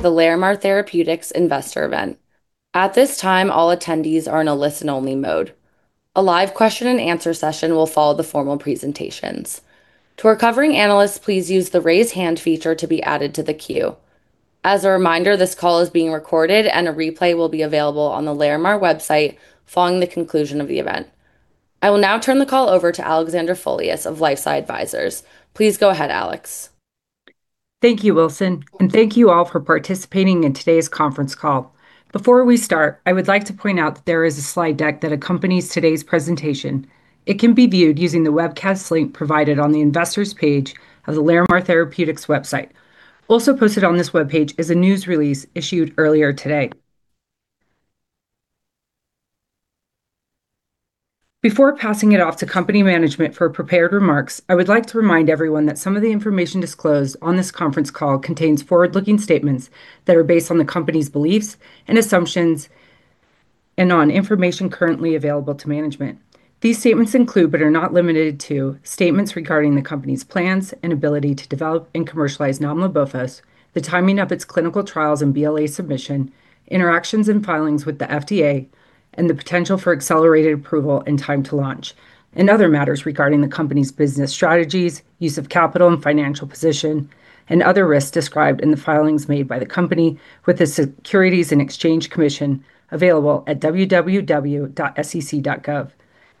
The Larimar Therapeutics Investor Event. At this time, all attendees are in a listen-only mode. A live question and answer session will follow the formal presentations. To our covering analysts, please use the raise hand feature to be added to the queue. As a reminder, this call is being recorded and a replay will be available on the Larimar website following the conclusion of the event. I will now turn the call over to Alexandra Folias of LifeSci Advisors. Please go ahead, Alex. Thank you, Wilson. Thank you all for participating in today's conference call. Before we start, I would like to point out that there is a slide deck that accompanies today's presentation. It can be viewed using the webcast link provided on the investors page of the Larimar Therapeutics website. Also posted on this webpage is a news release issued earlier today. Before passing it off to company management for prepared remarks, I would like to remind everyone that some of the information disclosed on this conference call contains forward-looking statements that are based on the company's beliefs and assumptions, and on information currently available to management. These statements include, but are not limited to, statements regarding the company's plans and ability to develop and commercialize nomlabofusp, the timing of its clinical trials and BLA submission, interactions and filings with the FDA, and the potential for accelerated approval and time to launch. Other matters regarding the company's business strategies, use of capital and financial position, and other risks described in the filings made by the company with the Securities and Exchange Commission, available at www.sec.gov.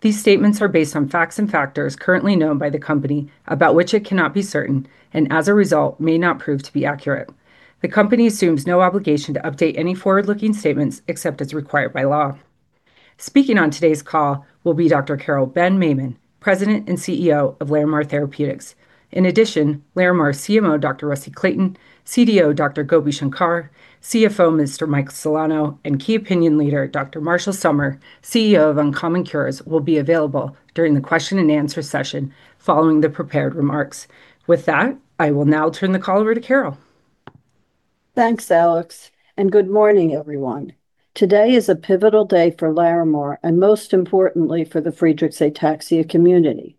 These statements are based on facts and factors currently known by the company about which it cannot be certain, and as a result, may not prove to be accurate. The company assumes no obligation to update any forward-looking statements except as required by law. Speaking on today's call will be Dr. Carol Ben-Maimon, President and CEO of Larimar Therapeutics. In addition, Larimar CMO, Dr. Rusty Clayton, CDO Dr. Gopi Shankar, CFO Mr. Mike Celano, and key opinion leader Dr. Marshall Summar, CEO of Uncommon Cures, will be available during the question and answer session following the prepared remarks. I will now turn the call over to Carol. Thanks, Alex. Good morning, everyone. Today is a pivotal day for Larimar. Most importantly for the Friedreich's ataxia community.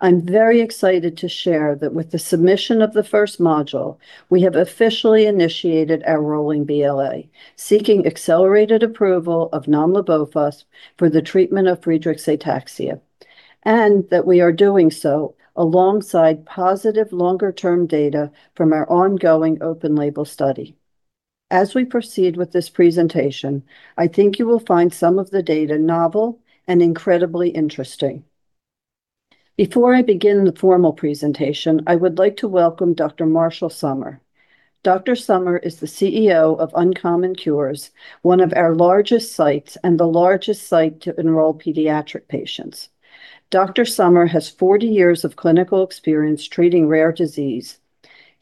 I'm very excited to share that with the submission of the first module, we have officially initiated our rolling BLA, seeking accelerated approval of nomlabofusp for the treatment of Friedreich's ataxia. We are doing so alongside positive longer-term data from our ongoing open-label study. As we proceed with this presentation, I think you will find some of the data novel and incredibly interesting. Before I begin the formal presentation, I would like to welcome Dr. Marshall Summar. Dr. Summar is the CEO of Uncommon Cures, one of our largest sites and the largest site to enroll pediatric patients. Dr. Summar has 40 years of clinical experience treating rare disease.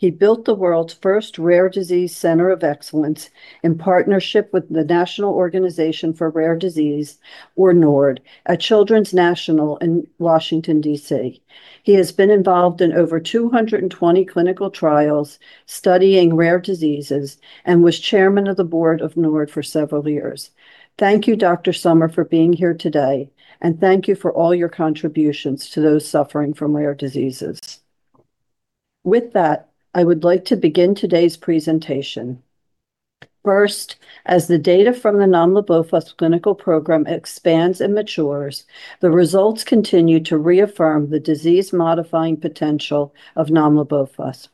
He built the world's first rare disease center of excellence in partnership with the National Organization for Rare Disorders, or NORD, at Children's National in Washington, D.C. He has been involved in over 220 clinical trials studying rare diseases. He was chairman of the board of NORD for several years. Thank you, Dr. Summar, for being here today. Thank you for all your contributions to those suffering from rare diseases. With that, I would like to begin today's presentation. First, as the data from the nomlabofusp clinical program expands and matures, the results continue to reaffirm the disease-modifying potential of nomlabofusp.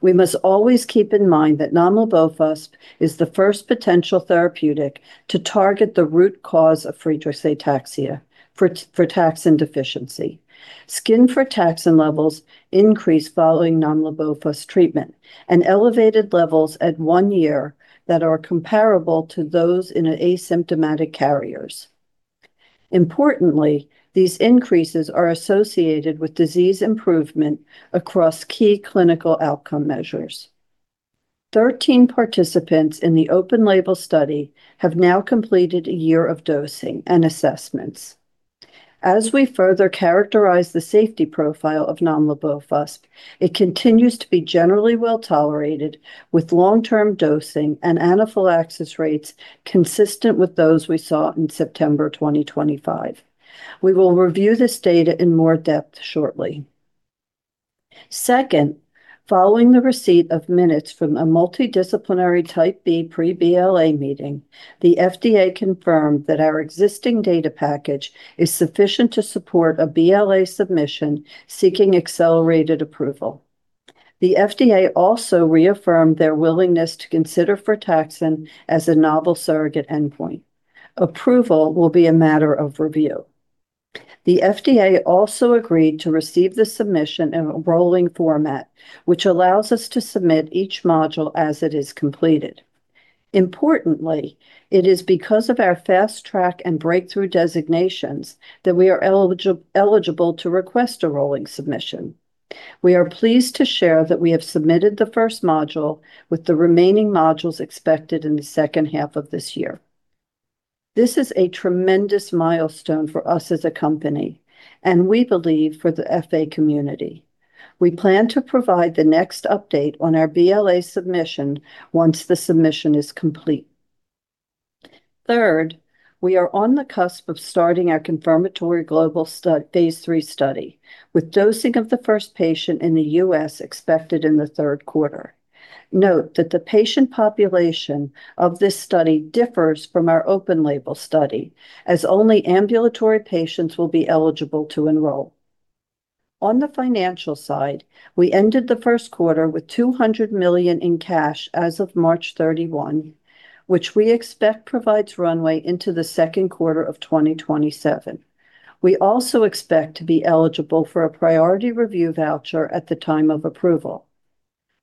We must always keep in mind that nomlabofusp is the first potential therapeutic to target the root cause of Friedreich's ataxia, frataxin deficiency. Skin frataxin levels increase following nomlabofusp treatment. Elevated levels at one year that are comparable to those in asymptomatic carriers. Importantly, these increases are associated with disease improvement across key clinical outcome measures. 13 participants in the open-label study have now completed a year of dosing and assessments. As we further characterize the safety profile of nomlabofusp, it continues to be generally well-tolerated with long-term dosing and anaphylaxis rates consistent with those we saw in September 2025. We will review this data in more depth shortly. Second, following the receipt of minutes from a multidisciplinary type B pre-BLA meeting, the FDA confirmed that our existing data package is sufficient to support a BLA submission seeking accelerated approval. The FDA reaffirmed their willingness to consider frataxin as a novel surrogate endpoint. Approval will be a matter of review. The FDA agreed to receive the submission in a rolling format, which allows us to submit each module as it is completed. Importantly, it is because of our fast track and breakthrough designations that we are eligible to request a rolling submission. We are pleased to share that we have submitted the first module with the remaining modules expected in the second half of this year. This is a tremendous milestone for us as a company. We believe for the FA community. We plan to provide the next update on our BLA submission once the submission is complete. Third, we are on the cusp of starting our confirmatory global phase III study, with dosing of the first patient in the U.S. expected in the third quarter. Note that the patient population of this study differs from our open-label study, as only ambulatory patients will be eligible to enroll. On the financial side, we ended the first quarter with $200 million in cash as of March 31, which we expect provides runway into the second quarter of 2027. We also expect to be eligible for a priority review voucher at the time of approval.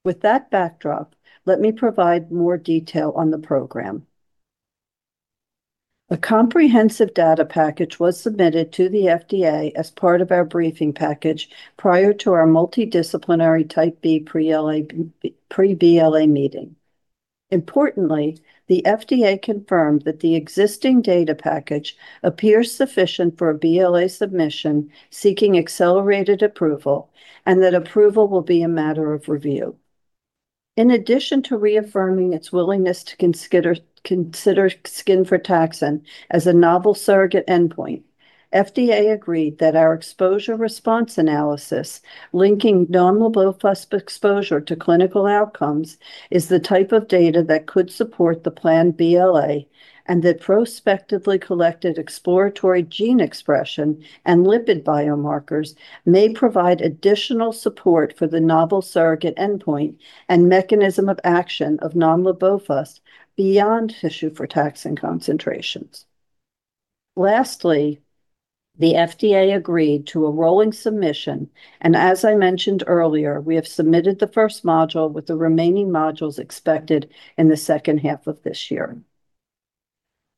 With that backdrop, let me provide more detail on the program. A comprehensive data package was submitted to the FDA as part of our briefing package prior to our multidisciplinary type B pre-BLA meeting. Importantly, the FDA confirmed that the existing data package appears sufficient for a BLA submission seeking accelerated approval, and that approval will be a matter of review. In addition to reaffirming its willingness to consider skin frataxin as a novel surrogate endpoint, FDA agreed that our exposure response analysis linking nomlabofusp exposure to clinical outcomes is the type of data that could support the planned BLA, and that prospectively collected exploratory gene expression and lipid biomarkers may provide additional support for the novel surrogate endpoint and mechanism of action of nomlabofusp beyond tissue frataxin concentrations. Lastly, the FDA agreed to a rolling submission, and as I mentioned earlier, we have submitted the first module with the remaining modules expected in the second half of this year.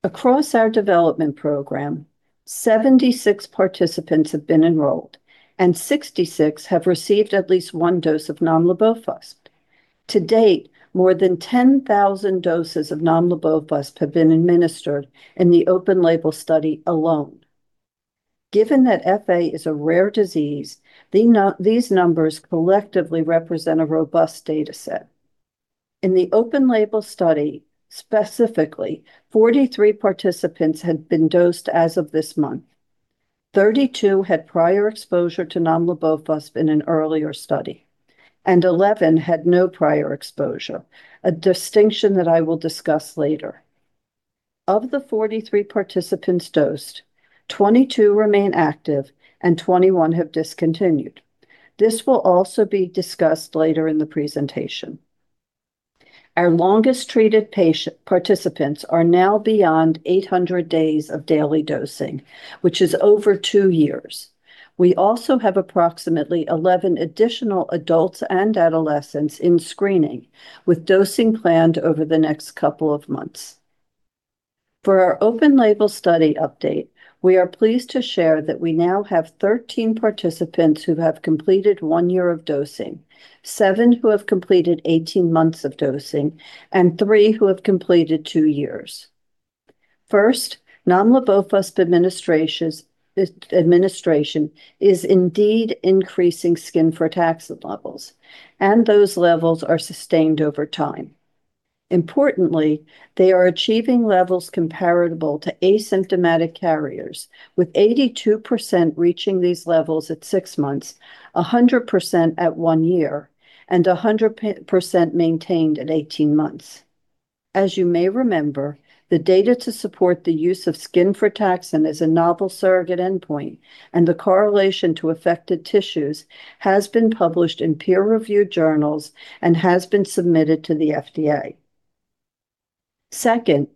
Across our development program, 76 participants have been enrolled, and 66 have received at least one dose of nomlabofusp. To date, more than 10,000 doses of nomlabofusp have been administered in the open label study alone. Given that FA is a rare disease, these numbers collectively represent a robust data set. In the open label study, specifically, 43 participants had been dosed as of this month. 32 had prior exposure to nomlabofusp in an earlier study, and 11 had no prior exposure, a distinction that I will discuss later. Of the 43 participants dosed, 22 remain active and 21 have discontinued. This will also be discussed later in the presentation. Our longest treated participants are now beyond 800 days of daily dosing, which is over two years. We also have approximately 11 additional adults and adolescents in screening, with dosing planned over the next couple of months. For our open label study update, we are pleased to share that we now have 13 participants who have completed one year of dosing. Seven who have completed 18 months of dosing, and three who have completed two years. First, nomlabofusp administration is indeed increasing skin frataxin levels, and those levels are sustained over time. Importantly, they are achieving levels comparable to asymptomatic carriers, with 82% reaching these levels at six months, 100% at one year, and 100% maintained at 18 months. As you may remember, the data to support the use of skin frataxin as a novel surrogate endpoint and the correlation to affected tissues has been published in peer-reviewed journals and has been submitted to the FDA. Second,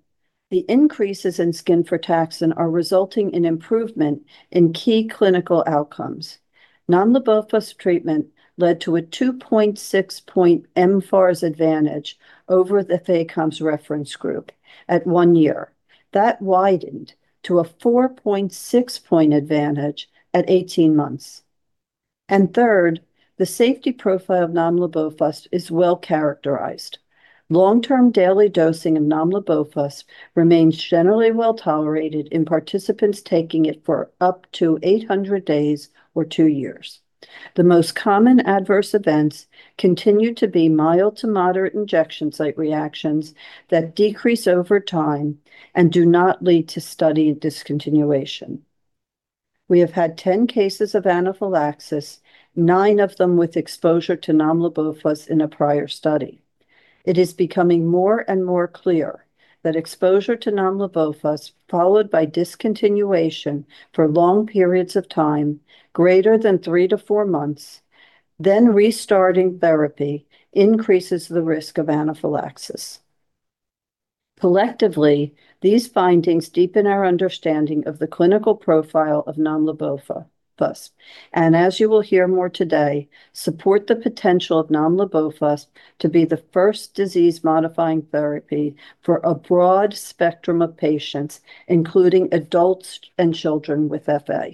the increases in skin frataxin are resulting in improvement in key clinical outcomes. Nomlabofusp treatment led to a 2.6 point mFARS advantage over the FACOMS reference group at one year. That widened to a 4.6 point advantage at 18 months. Third, the safety profile of nomlabofusp is well-characterized. Long-term daily dosing of nomlabofusp remains generally well-tolerated in participants taking it for up to 800 days or two years. The most common adverse events continue to be mild to moderate injection site reactions that decrease over time and do not lead to study discontinuation. We have had 10 cases of anaphylaxis, nine of them with exposure to nomlabofusp in a prior study. It is becoming more and more clear that exposure to nomlabofusp followed by discontinuation for long periods of time greater than three to four months, then restarting therapy, increases the risk of anaphylaxis. Collectively, these findings deepen our understanding of the clinical profile of nomlabofusp. As you will hear more today, support the potential of nomlabofusp to be the first disease-modifying therapy for a broad spectrum of patients, including adults and children with FA.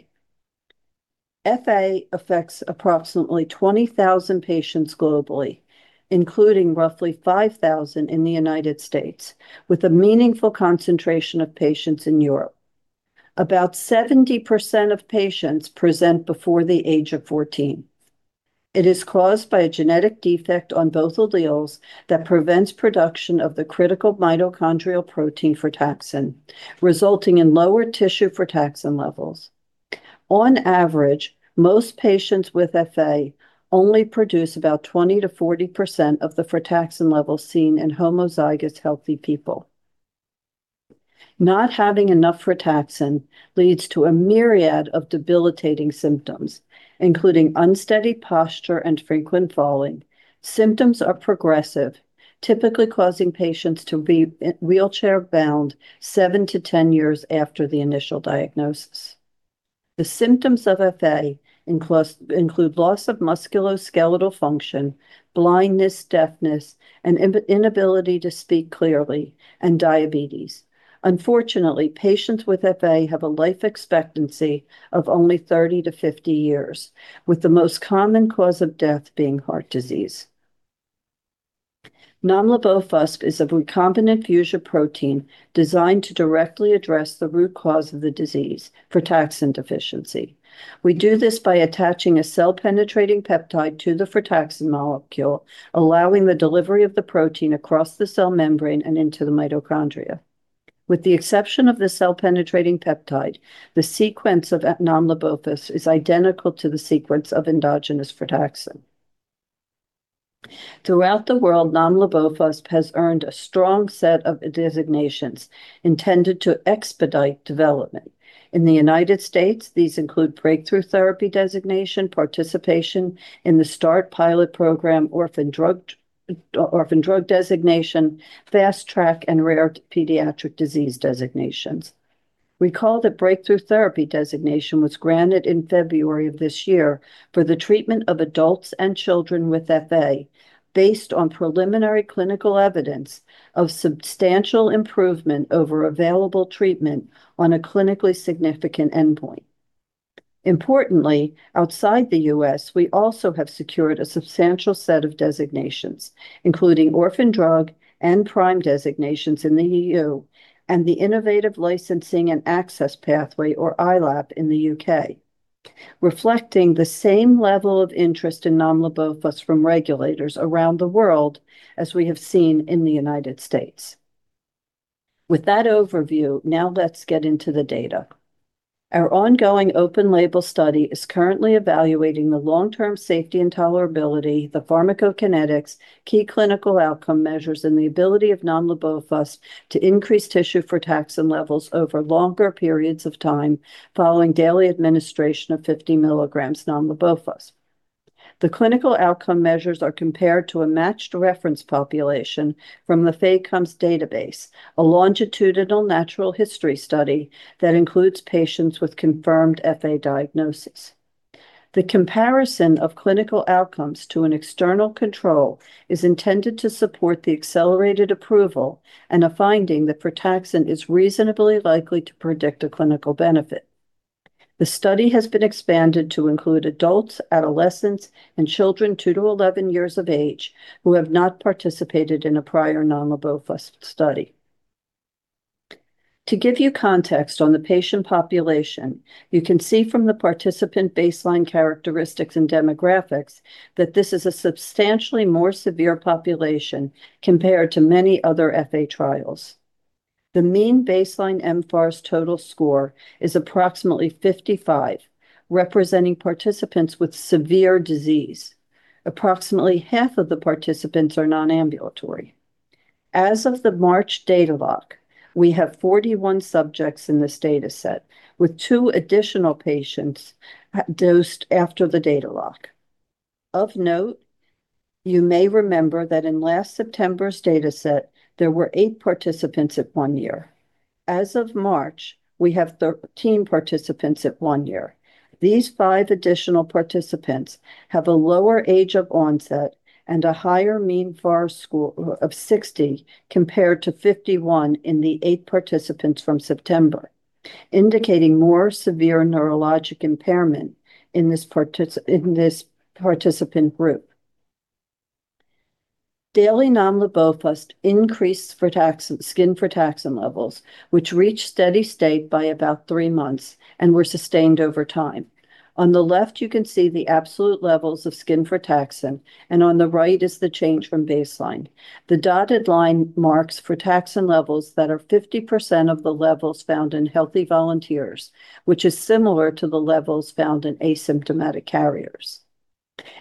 FA affects approximately 20,000 patients globally, including roughly 5,000 in the U.S., with a meaningful concentration of patients in Europe. About 70% of patients present before the age of 14. It is caused by a genetic defect on both alleles that prevents production of the critical mitochondrial protein frataxin, resulting in lower tissue frataxin levels. On average, most patients with FA only produce about 20%-40% of the frataxin levels seen in homozygous healthy people. Not having enough frataxin leads to a myriad of debilitating symptoms, including unsteady posture and frequent falling. Symptoms are progressive, typically causing patients to be wheelchair-bound 7-10 years after the initial diagnosis. The symptoms of FA include loss of musculoskeletal function, blindness, deafness, an inability to speak clearly, and diabetes. Unfortunately, patients with FA have a life expectancy of only 30-50 years, with the most common cause of death being heart disease. nomlabofusp is a recombinant fusion protein designed to directly address the root cause of the disease, frataxin deficiency. We do this by attaching a cell-penetrating peptide to the frataxin molecule, allowing the delivery of the protein across the cell membrane and into the mitochondria. With the exception of the cell-penetrating peptide, the sequence of nomlabofusp is identical to the sequence of endogenous frataxin. Throughout the world, nomlabofusp has earned a strong set of designations intended to expedite development. In the U.S., these include breakthrough therapy designation, participation in the START pilot program, orphan drug designation, fast track, and rare pediatric disease designations. Recall that breakthrough therapy designation was granted in February of this year for the treatment of adults and children with FA, based on preliminary clinical evidence of substantial improvement over available treatment on a clinically significant endpoint. Importantly, outside the U.S., we also have secured a substantial set of designations, including orphan drug and PRIME designations in the EU, and the Innovative Licensing and Access Pathway, or ILAP, in the U.K., reflecting the same level of interest in nomlabofusp from regulators around the world as we have seen in the U.S. With that overview, now let's get into the data. Our ongoing open label study is currently evaluating the long-term safety and tolerability, the pharmacokinetics, key clinical outcome measures, and the ability of nomlabofusp to increase tissue frataxin levels over longer periods of time following daily administration of 50 milligrams nomlabofusp. The clinical outcome measures are compared to a matched reference population from the FACOMS database, a longitudinal natural history study that includes patients with confirmed FA diagnosis. The comparison of clinical outcomes to an external control is intended to support the accelerated approval and a finding that frataxin is reasonably likely to predict a clinical benefit. The study has been expanded to include adults, adolescents, and children two to 11 years of age who have not participated in a prior nomlabofusp study. To give you context on the patient population, you can see from the participant baseline characteristics and demographics that this is a substantially more severe population compared to many other FA trials. The mean baseline mFARS total score is approximately 55, representing participants with severe disease. Approximately half of the participants are non-ambulatory. As of the March data lock, we have 41 subjects in this data set, with two additional patients dosed after the data lock. Of note, you may remember that in last September's data set, there were eight participants at one year. As of March, we have 13 participants at one year. These five additional participants have a lower age of onset and a higher mean FARS score of 60 compared to 51 in the eight participants from September, indicating more severe neurologic impairment in this participant group. Daily nomlabofusp increased skin frataxin levels, which reached steady state by about three months and were sustained over time. On the left, you can see the absolute levels of skin frataxin, and on the right is the change from baseline. The dotted line marks frataxin levels that are 50% of the levels found in healthy volunteers, which is similar to the levels found in asymptomatic carriers.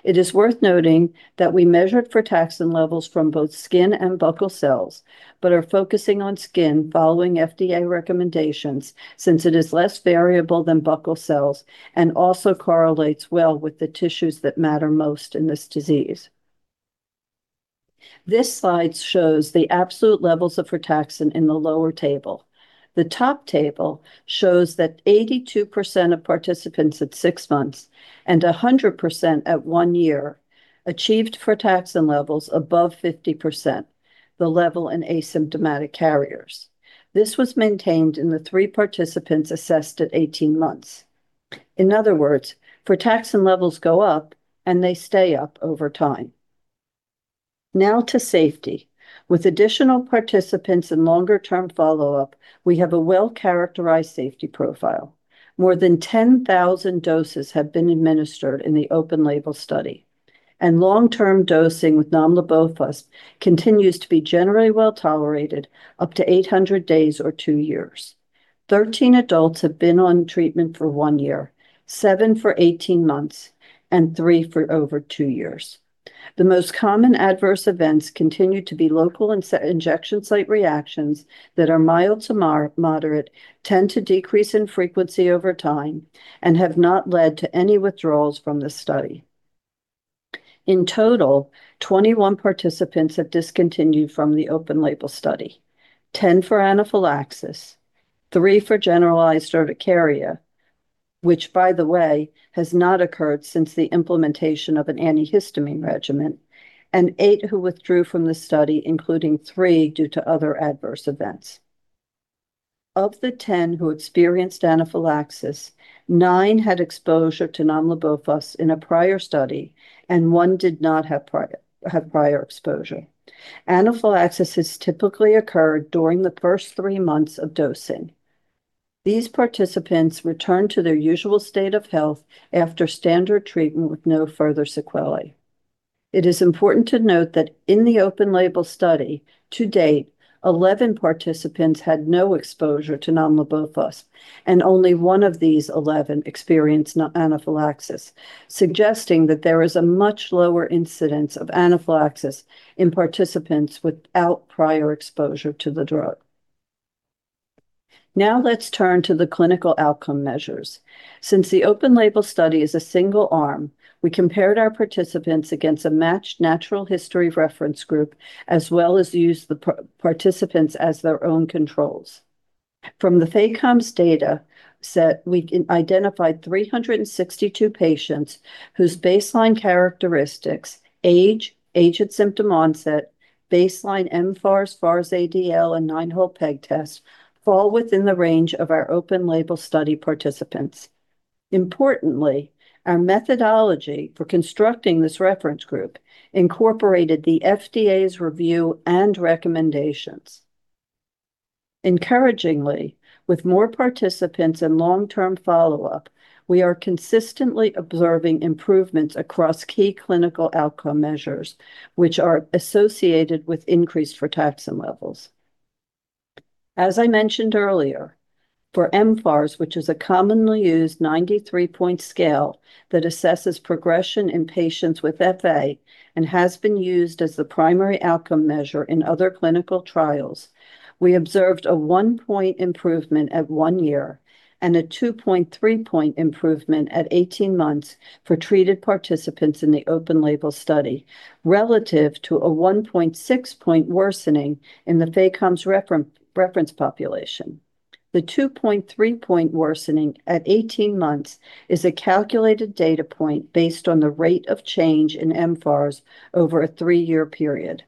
It is worth noting that we measured frataxin levels from both skin and buccal cells, but are focusing on skin following FDA recommendations, since it is less variable than buccal cells and also correlates well with the tissues that matter most in this disease. This slide shows the absolute levels of frataxin in the lower table. The top table shows that 82% of participants at six months and 100% at one year achieved frataxin levels above 50%, the level in asymptomatic carriers. This was maintained in the three participants assessed at 18 months. In other words, frataxin levels go up and they stay up over time. Now to safety. With additional participants and longer-term follow-up, we have a well-characterized safety profile. More than 10,000 doses have been administered in the open-label study, and long-term dosing with nomlabofusp continues to be generally well-tolerated up to 800 days or two years. 13 adults have been on treatment for one year, seven for 18 months, and three for over two years. The most common adverse events continue to be local injection site reactions that are mild to moderate, tend to decrease in frequency over time, and have not led to any withdrawals from the study. In total, 21 participants have discontinued from the open-label study. 10 for anaphylaxis, three for generalized urticaria, which by the way, has not occurred since the implementation of an antihistamine regimen, and eight who withdrew from the study, including three due to other adverse events. Of the 10 who experienced anaphylaxis, nine had exposure to nomlabofusp in a prior study, and one did not have prior exposure. Anaphylaxis has typically occurred during the first three months of dosing. These participants return to their usual state of health after standard treatment with no further sequelae. It is important to note that in the open-label study to date, 11 participants had no exposure to nomlabofusp, and only one of these 11 experienced anaphylaxis, suggesting that there is a much lower incidence of anaphylaxis in participants without prior exposure to the drug. Let's turn to the clinical outcome measures. Since the open-label study is a single arm, we compared our participants against a matched natural history reference group, as well as used the participants as their own controls. From the FACOMS data set, we identified 362 patients whose baseline characteristics, age at symptom onset, baseline mFARS, FARS-ADL, and Nine Hole Peg Test fall within the range of our open-label study participants. Importantly, our methodology for constructing this reference group incorporated the FDA's review and recommendations. Encouragingly, with more participants and long-term follow-up, we are consistently observing improvements across key clinical outcome measures, which are associated with increased frataxin levels. As I mentioned earlier, for mFARS, which is a commonly used 93-point scale that assesses progression in patients with FA and has been used as the primary outcome measure in other clinical trials, we observed a one-point improvement at one year and a 2.3-point improvement at 18 months for treated participants in the open-label study, relative to a 1.6-point worsening in the FACOMS reference population. The 2.3-point worsening at 18 months is a calculated data point based on the rate of change in mFARS over a three-year period.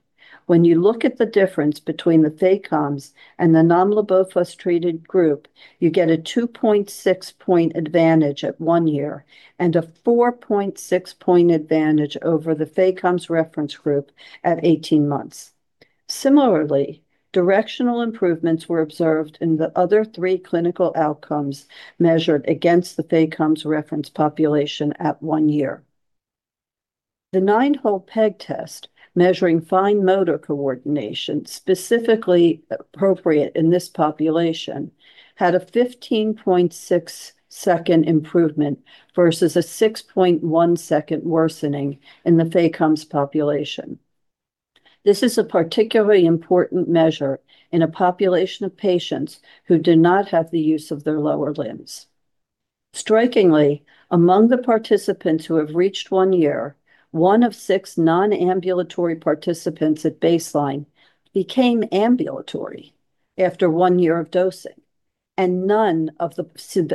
When you look at the difference between the FACOMS and the nomlabofusp treated group, you get a 2.6-point advantage at one year and a 4.6-point advantage over the FACOMS reference group at 18 months. Similarly, directional improvements were observed in the other three clinical outcomes measured against the FACOMS reference population at one year. The Nine Hole Peg Test, measuring fine motor coordination, specifically appropriate in this population, had a 15.6-second improvement versus a 6.1-second worsening in the FACOMS population. This is a particularly important measure in a population of patients who do not have the use of their lower limbs. Strikingly, among the participants who have reached one year, one of six non-ambulatory participants at baseline became ambulatory after one year of dosing. None of the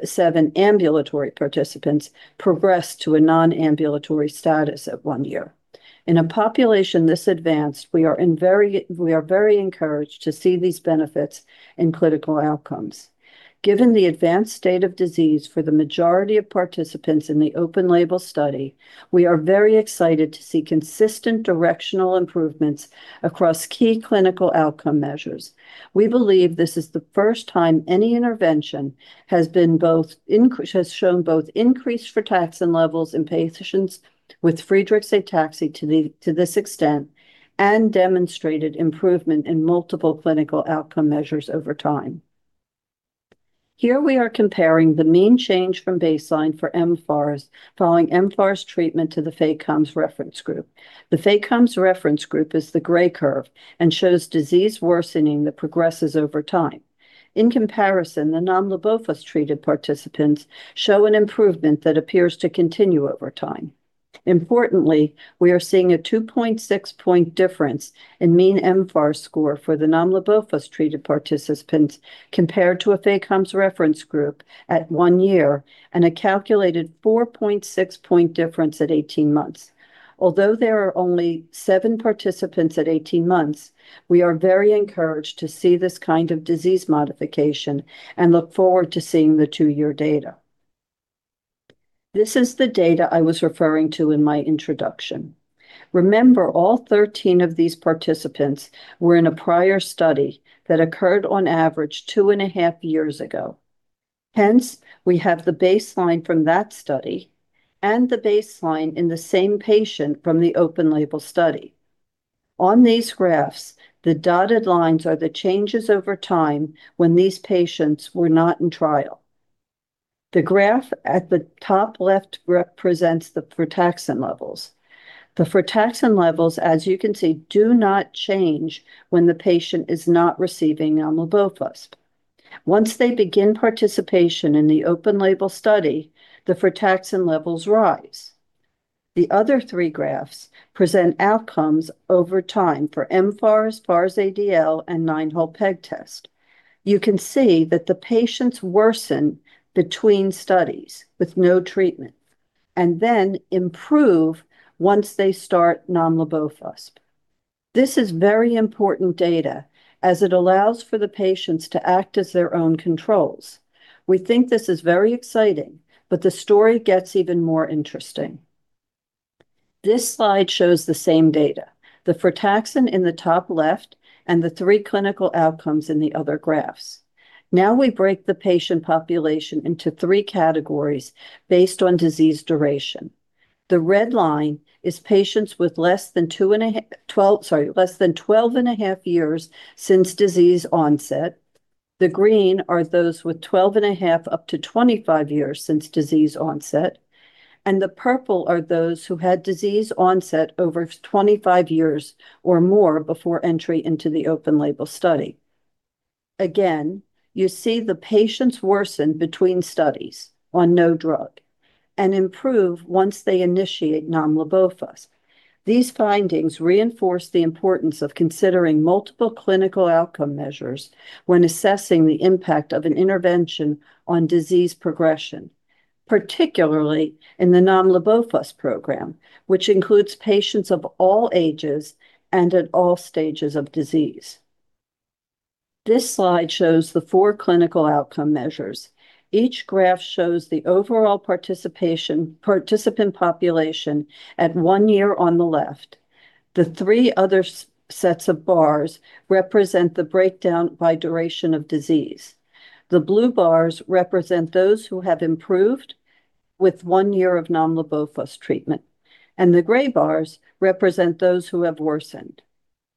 seven ambulatory participants progressed to a non-ambulatory status at one year. In a population this advanced, we are very encouraged to see these benefits in clinical outcomes. Given the advanced state of disease for the majority of participants in the open-label study, we are very excited to see consistent directional improvements across key clinical outcome measures. We believe this is the first time any intervention has shown both increased frataxin levels in patients with Friedreich's ataxia to this extent and demonstrated improvement in multiple clinical outcome measures over time. Here we are comparing the mean change from baseline for mFARS following mFARS treatment to the FACOMS reference group. The FACOMS reference group is the gray curve and shows disease worsening that progresses over time. In comparison, the nomlabofusp treated participants show an improvement that appears to continue over time. Importantly, we are seeing a 2.6-point difference in mean mFARS score for the nomlabofusp treated participants compared to a FACOMS reference group at one year and a calculated 4.6-point difference at 18 months. Although there are only seven participants at 18 months, we are very encouraged to see this kind of disease modification and look forward to seeing the two-year data. This is the data I was referring to in my introduction. Remember, all 13 of these participants were in a prior study that occurred on average two and a half years ago. Hence, we have the baseline from that study and the baseline in the same patient from the open-label study. On these graphs, the dotted lines are the changes over time when these patients were not in trial. The graph at the top left represents the frataxin levels. The frataxin levels, as you can see, do not change when the patient is not receiving nomlabofusp. Once they begin participation in the open-label study, the frataxin levels rise. The other three graphs present outcomes over time for mFARS, FARS-ADL, and Nine Hole Peg Test. You can see that the patients worsen between studies with no treatment, and then improve once they start nomlabofusp. This is very important data as it allows for the patients to act as their own controls. We think this is very exciting, but the story gets even more interesting. This slide shows the same data, the frataxin in the top left, and the three clinical outcomes in the other graphs. Now we break the patient population into three categories based on disease duration. The red line is patients with less than 12 and a half years since disease onset. The green are those with 12 and a half up to 25 years since disease onset, and the purple are those who had disease onset over 25 years or more before entry into the open-label study. Again, you see the patients worsen between studies on no drug, and improve once they initiate nomlabofusp. These findings reinforce the importance of considering multiple clinical outcome measures when assessing the impact of an intervention on disease progression. Particularly in the nomlabofusp program, which includes patients of all ages and at all stages of disease. This slide shows the four clinical outcome measures. Each graph shows the overall participant population at one year on the left. The three other sets of bars represent the breakdown by duration of disease. The blue bars represent those who have improved with one year of nomlabofusp treatment, and the gray bars represent those who have worsened.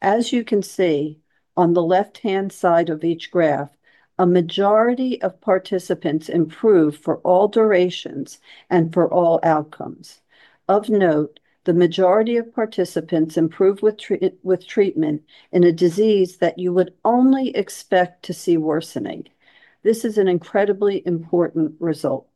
As you can see on the left-hand side of each graph, a majority of participants improve for all durations and for all outcomes. Of note, the majority of participants improve with treatment in a disease that you would only expect to see worsening. This is an incredibly important result.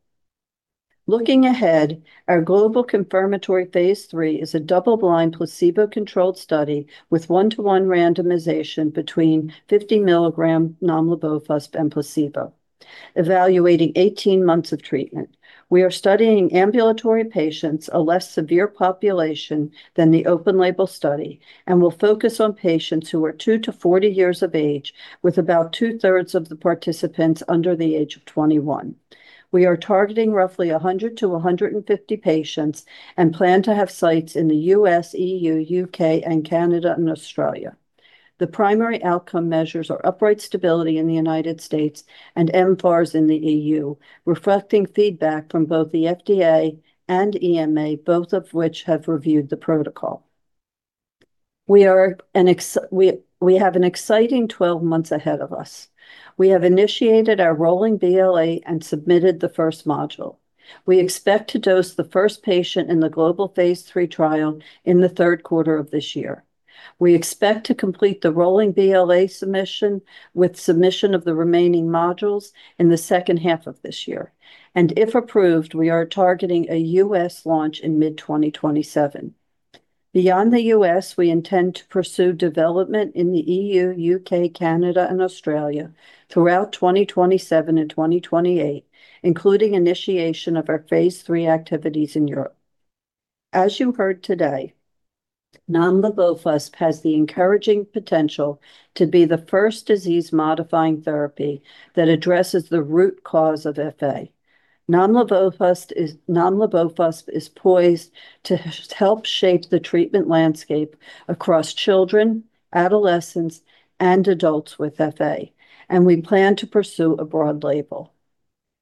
Looking ahead, our global confirmatory phase III is a double-blind, placebo-controlled study with one-to-one randomization between 50 milligram nomlabofusp and placebo, evaluating 18 months of treatment. We are studying ambulatory patients, a less severe population than the open-label study, and will focus on patients who are two to 40 years of age, with about two-thirds of the participants under the age of 21. We are targeting roughly 100 to 150 patients and plan to have sites in the U.S., EU, U.K., and Canada, and Australia. The primary outcome measures are upright stability in the U.S. and mFARS in the EU, reflecting feedback from both the FDA and EMA, both of which have reviewed the protocol. We have an exciting 12 months ahead of us. We have initiated our rolling BLA and submitted the first module. We expect to dose the first patient in the global phase III trial in the third quarter of this year. We expect to complete the rolling BLA submission with submission of the remaining modules in the second half of this year. If approved, we are targeting a U.S. launch in mid-2027. Beyond the U.S., we intend to pursue development in the EU, U.K., Canada, and Australia throughout 2027 and 2028, including initiation of our phase III activities in Europe. As you heard today, nomlabofusp has the encouraging potential to be the first disease-modifying therapy that addresses the root cause of FA. Nomlabofusp is poised to help shape the treatment landscape across children, adolescents, and adults with FA, and we plan to pursue a broad label.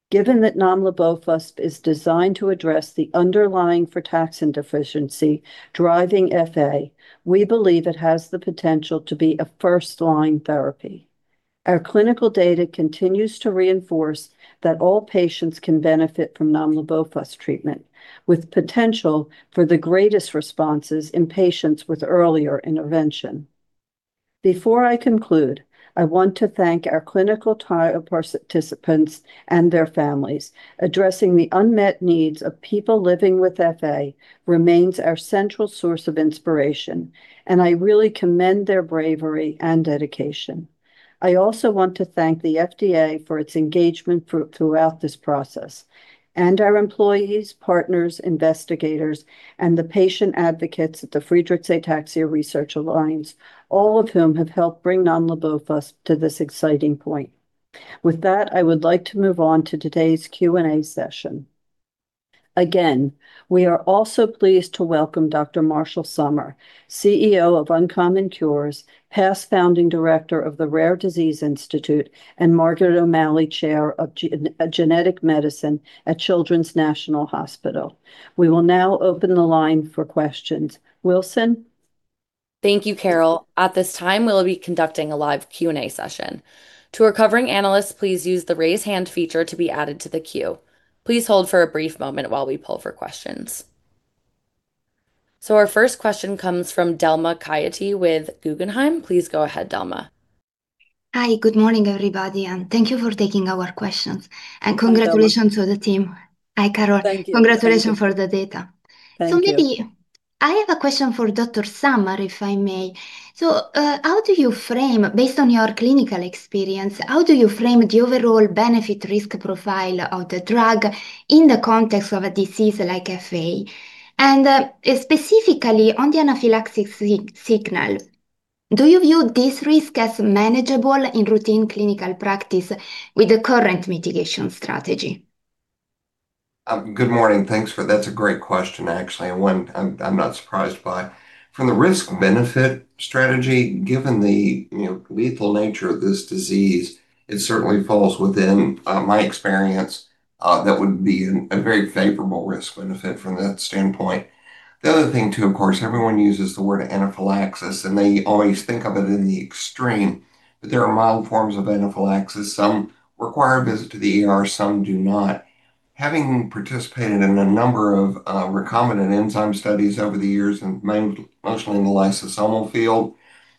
Given that nomlabofusp is designed to address the underlying frataxin deficiency driving FA, we believe it has the potential to be a first-line therapy. Our clinical data continues to reinforce that all patients can benefit from nomlabofusp treatment, with potential for the greatest responses in patients with earlier intervention. Before I conclude, I want to thank our clinical trial participants and their families. Addressing the unmet needs of people living with FA remains our central source of inspiration, and I really commend their bravery and dedication. I also want to thank the FDA for its engagement throughout this process, our employees, partners, investigators, and the patient advocates at the Friedreich's Ataxia Research Alliance, all of whom have helped bring nomlabofusp to this exciting point. With that, I would like to move on to today's Q&A session. Again, we are also pleased to welcome Dr. Marshall Summar, CEO of Uncommon Cures, past Founding Director of the Children's National Rare Disease Institute, and Margaret O'Malley, Chair of Genetic Medicine at Children's National Hospital. We will now open the line for questions. Wilson? Thank you, Carol. At this time, we'll be conducting a live Q&A session. To our covering analysts, please use the raise hand feature to be added to the queue. Please hold for a brief moment while we pull for questions. Our first question comes from Delma Caiati with Guggenheim. Please go ahead, Delma. Hi. Good morning, everybody, thank you for taking our questions. Hi, Delma. Congratulations to the team. Hi, Carol. Thank you. Congratulations for the data. Thank you. Maybe I have a question for Dr. Summar, if I may. Based on your clinical experience, how do you frame the overall benefit risk profile of the drug in the context of a disease like FA? Specifically on the anaphylaxis signal, do you view this risk as manageable in routine clinical practice with the current mitigation strategy? Good morning. Thanks. That's a great question, actually, and one I'm not surprised by. From the risk-benefit strategy, given the lethal nature of this disease, it certainly falls within my experience. That would be a very favorable risk-benefit from that standpoint. The other thing too, of course, everyone uses the word anaphylaxis, and they always think of it in the extreme. There are mild forms of anaphylaxis. Some require a visit to the ER, some do not. Having participated in a number of recombinant enzyme studies over the years, and mostly in the lysosomal field,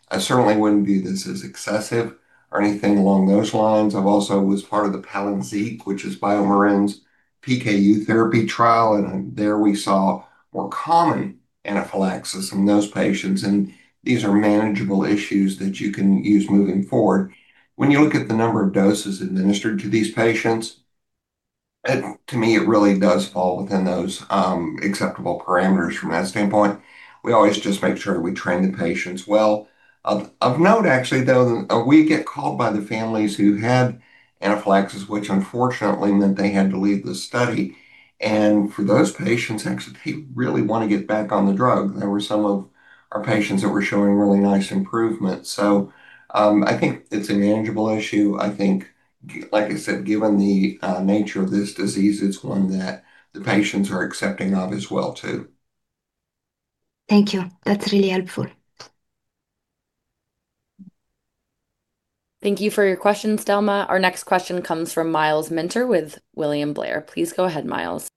I certainly wouldn't view this as excessive or anything along those lines. I also was part of the PALYNZIQ, which is BioMarin's PKU therapy trial, and there we saw more common anaphylaxis in those patients. These are manageable issues that you can use moving forward. When you look at the number of doses administered to these patients, to me, it really does fall within those acceptable parameters from that standpoint. We always just make sure we train the patients well. Of note, actually, though, we get called by the families who had anaphylaxis, which unfortunately meant they had to leave the study. For those patients, actually, people really want to get back on the drug. There were some of our patients that were showing really nice improvement. I think it's a manageable issue. I think, like I said, given the nature of this disease, it's one that the patients are accepting of as well, too. Thank you. That's really helpful. Thank you for your questions, Delma. Our next question comes from Myles Minter with William Blair. Please go ahead, Myles.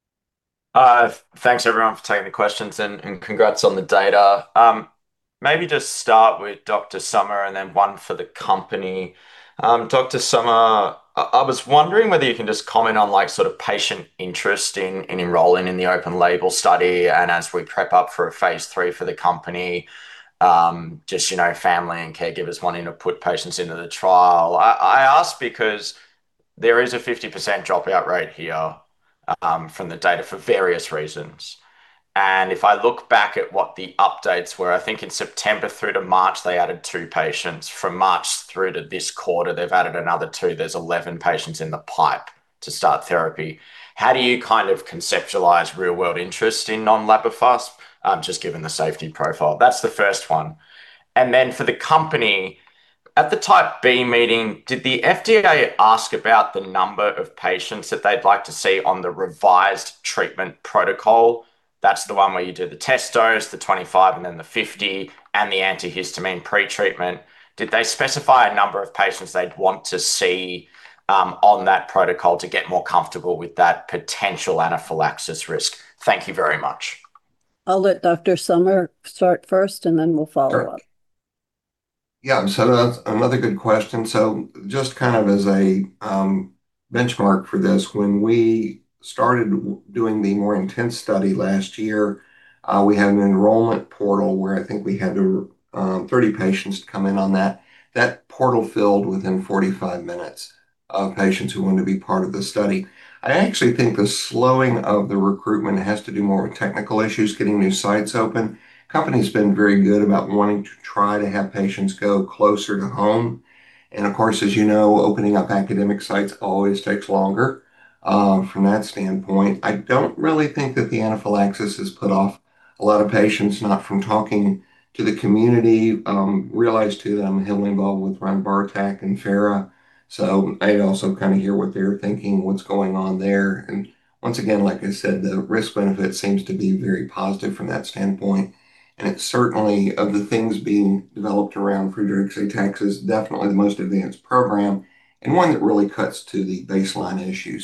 Thanks everyone for taking the questions, congrats on the data. Maybe just start with Dr. Summar and then one for the company. Dr. Summar, I was wondering whether you can just comment on sort of patient interest in enrolling in the open label study and as we prep up for a phase III for the company, just family and caregivers wanting to put patients into the trial. I ask because there is a 50% dropout rate here from the data for various reasons. If I look back at what the updates were, I think in September through to March, they added two patients. From March through to this quarter, they've added another two. There's 11 patients in the pipe to start therapy. How do you kind of conceptualize real-world interest in nomlabofusp, just given the safety profile? That's the first one. For the company, at the Type B Meeting, did the FDA ask about the number of patients that they'd like to see on the revised treatment protocol? That's the one where you do the test dose, the 25 and then the 50, and the antihistamine pretreatment. Did they specify a number of patients they'd want to see on that protocol to get more comfortable with that potential anaphylaxis risk? Thank you very much. I'll let Dr. Summar start first, and then we'll follow up. That's another good question. Just kind of as a benchmark for this, when we started doing the more intense study last year, we had an enrollment portal where I think we had over 30 patients come in on that. That portal filled within 45 minutes of patients who wanted to be part of the study. I actually think the slowing of the recruitment has to do more with technical issues, getting new sites open. Company's been very good about wanting to try to have patients go closer to home. Of course, as you know, opening up academic sites always takes longer. From that standpoint, I don't really think that the anaphylaxis has put off a lot of patients, not from talking to the community. Realize, too, that I'm heavily involved with Ron Bartek and FARA, I also kind of hear what they're thinking, what's going on there. Once again, like I said, the risk-benefit seems to be very positive from that standpoint, and it's certainly, of the things being developed around Friedreich's ataxia is definitely the most advanced program and one that really cuts to the baseline issue.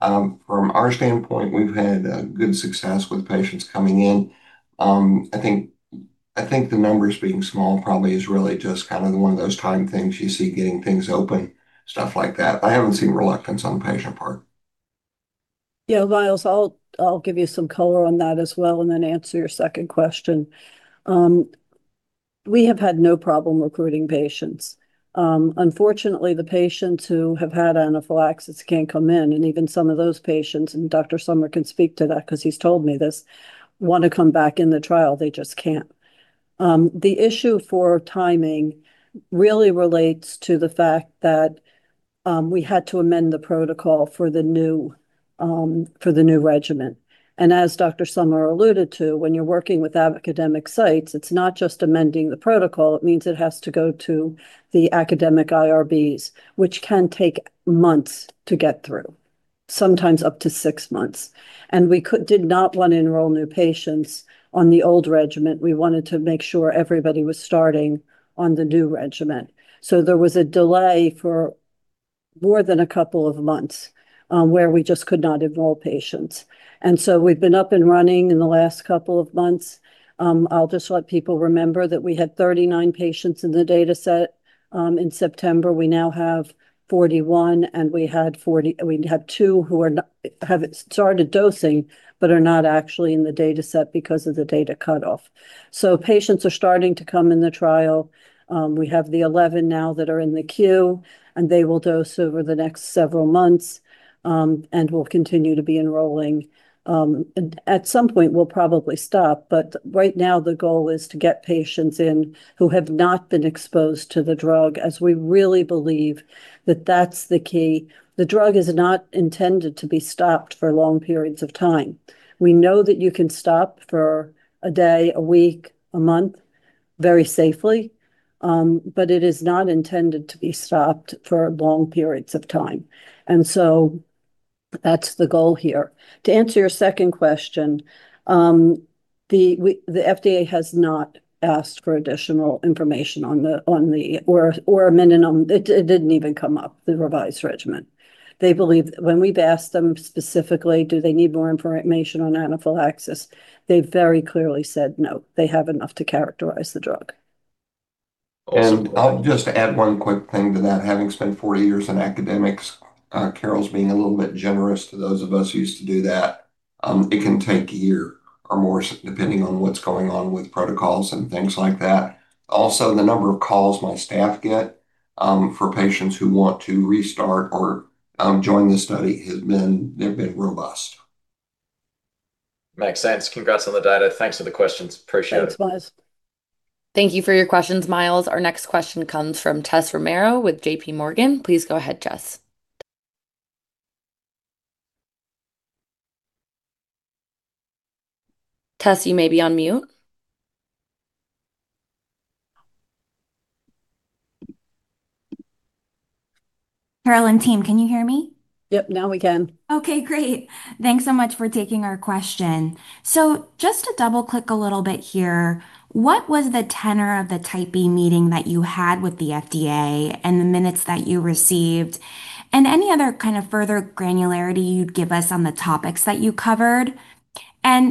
From our standpoint, we've had good success with patients coming in. I think the numbers being small probably is really just kind of one of those time things you see getting things open, stuff like that. I haven't seen reluctance on the patient part. Myles, I'll give you some color on that as well, and then answer your second question. We have had no problem recruiting patients. Unfortunately, the patients who have had anaphylaxis can't come in, and even some of those patients, and Dr. Summar can speak to that because he's told me this, want to come back in the trial, they just can't. The issue for timing really relates to the fact that we had to amend the protocol for the new regimen. As Dr. Summar alluded to, when you're working with academic sites, it's not just amending the protocol, it means it has to go to the academic IRBs, which can take months to get through, sometimes up to six months. We did not want to enroll new patients on the old regimen. We wanted to make sure everybody was starting on the new regimen. There was a delay for more than a couple of months, where we just could not enroll patients. We've been up and running in the last couple of months. I'll just let people remember that we had 39 patients in the data set, in September. We now have 41, and we have two who have started dosing but are not actually in the data set because of the data cutoff. Patients are starting to come in the trial. We have the 11 now that are in the queue, and they will dose over the next several months, and we'll continue to be enrolling. At some point we'll probably stop, but right now the goal is to get patients in who have not been exposed to the drug, as we really believe that that's the key. The drug is not intended to be stopped for long periods of time. We know that you can stop for a day, a week, a month, very safely. It is not intended to be stopped for long periods of time. That's the goal here. To answer your second question, the FDA has not asked for additional information or amendment on, it didn't even come up, the revised regimen. When we've asked them specifically do they need more information on anaphylaxis, they very clearly said no. They have enough to characterize the drug. I'll just add one quick thing to that, having spent 40 years in academics. Carol's being a little bit generous to those of us who used to do that. It can take a year or more, depending on what's going on with protocols and things like that. Also, the number of calls my staff get, for patients who want to restart or join the study, they've been robust. Makes sense. Congrats on the data. Thanks for the questions. Appreciate it. Thanks, Myles. Thank you for your questions, Myles. Our next question comes from Tess Romero with JPMorgan. Please go ahead, Tess. Tess, you may be on mute. Carol and team, can you hear me? Yep, now we can. Okay, great. Thanks so much for taking our question. Just to double-click a little bit here, what was the tenor of the Type B meeting that you had with the FDA and the minutes that you received? Any other kind of further granularity you'd give us on the topics that you covered?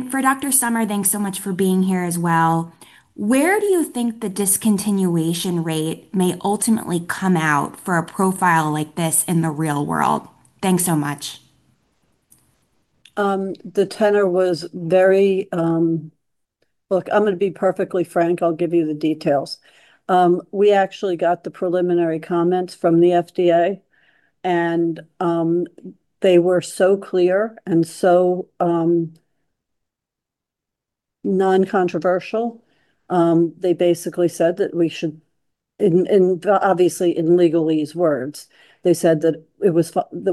For Dr. Summar, thanks so much for being here as well. Where do you think the discontinuation rate may ultimately come out for a profile like this in the real world? Thanks so much. The tenor was very Look, I'm going to be perfectly frank. I'll give you the details. We actually got the preliminary comments from the FDA, and they were so clear and so non-controversial. They basically said that we should, obviously in legalese words, that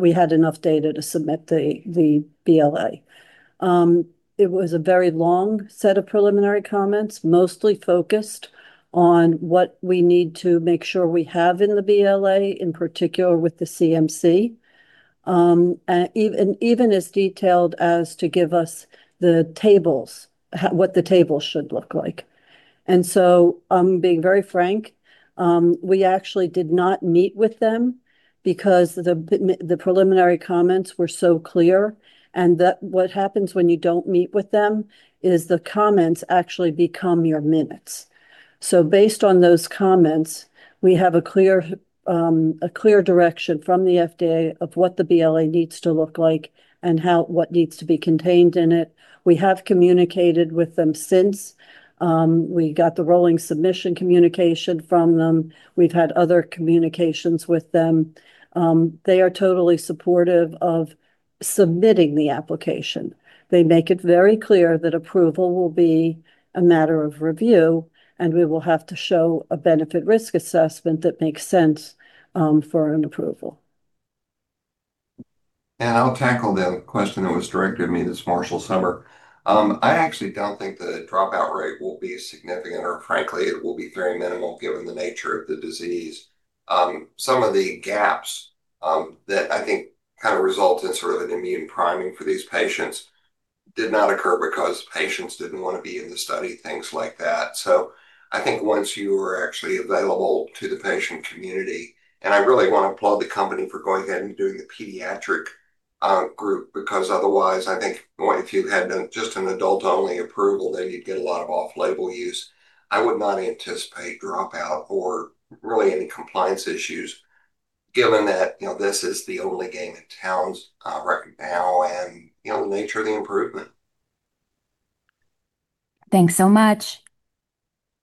we had enough data to submit the BLA. It was a very long set of preliminary comments, mostly focused on what we need to make sure we have in the BLA, in particular with the CMC. Even as detailed as to give us the tables, what the tables should look like. I'm being very frank, we actually did not meet with them because the preliminary comments were so clear, and what happens when you don't meet with them is the comments actually become your minutes. Based on those comments, we have a clear direction from the FDA of what the BLA needs to look like and what needs to be contained in it. We have communicated with them since. We got the rolling submission communication from them. We've had other communications with them. They are totally supportive of submitting the application. They make it very clear that approval will be a matter of review, and we will have to show a benefit risk assessment that makes sense for an approval. I'll tackle the question that was directed at me. This is Marshall Summar. I actually don't think the dropout rate will be significant, or frankly, it will be very minimal given the nature of the disease. Some of the gaps that I think kind of result in sort of an immune priming for these patients did not occur because patients didn't want to be in the study, things like that. I think once you are actually available to the patient community, and I really want to applaud the company for going ahead and doing the pediatric group, because otherwise, I think if you had just an adult-only approval, you'd get a lot of off-label use. I would not anticipate dropout or really any compliance issues given that this is the only game in town right now and the nature of the improvement. Thanks so much.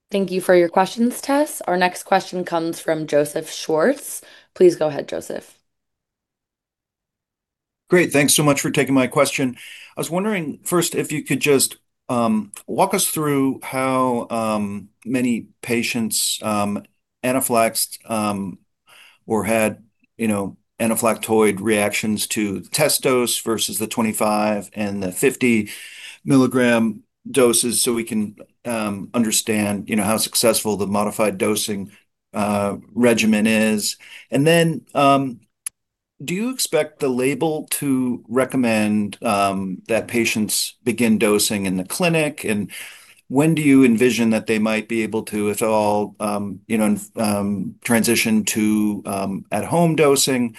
Thank you for your questions, Tess. Our next question comes from Joseph Schwartz. Please go ahead, Joseph. Great. Thanks so much for taking my question. I was wondering, first, if you could just walk us through how many patients anaphylaxed or had anaphylactoid reactions to test dose versus the 25 and 50 milligram doses so we can understand how successful the modified dosing regimen is. Do you expect the label to recommend that patients begin dosing in the clinic? When do you envision that they might be able to, if at all, transition to at-home dosing?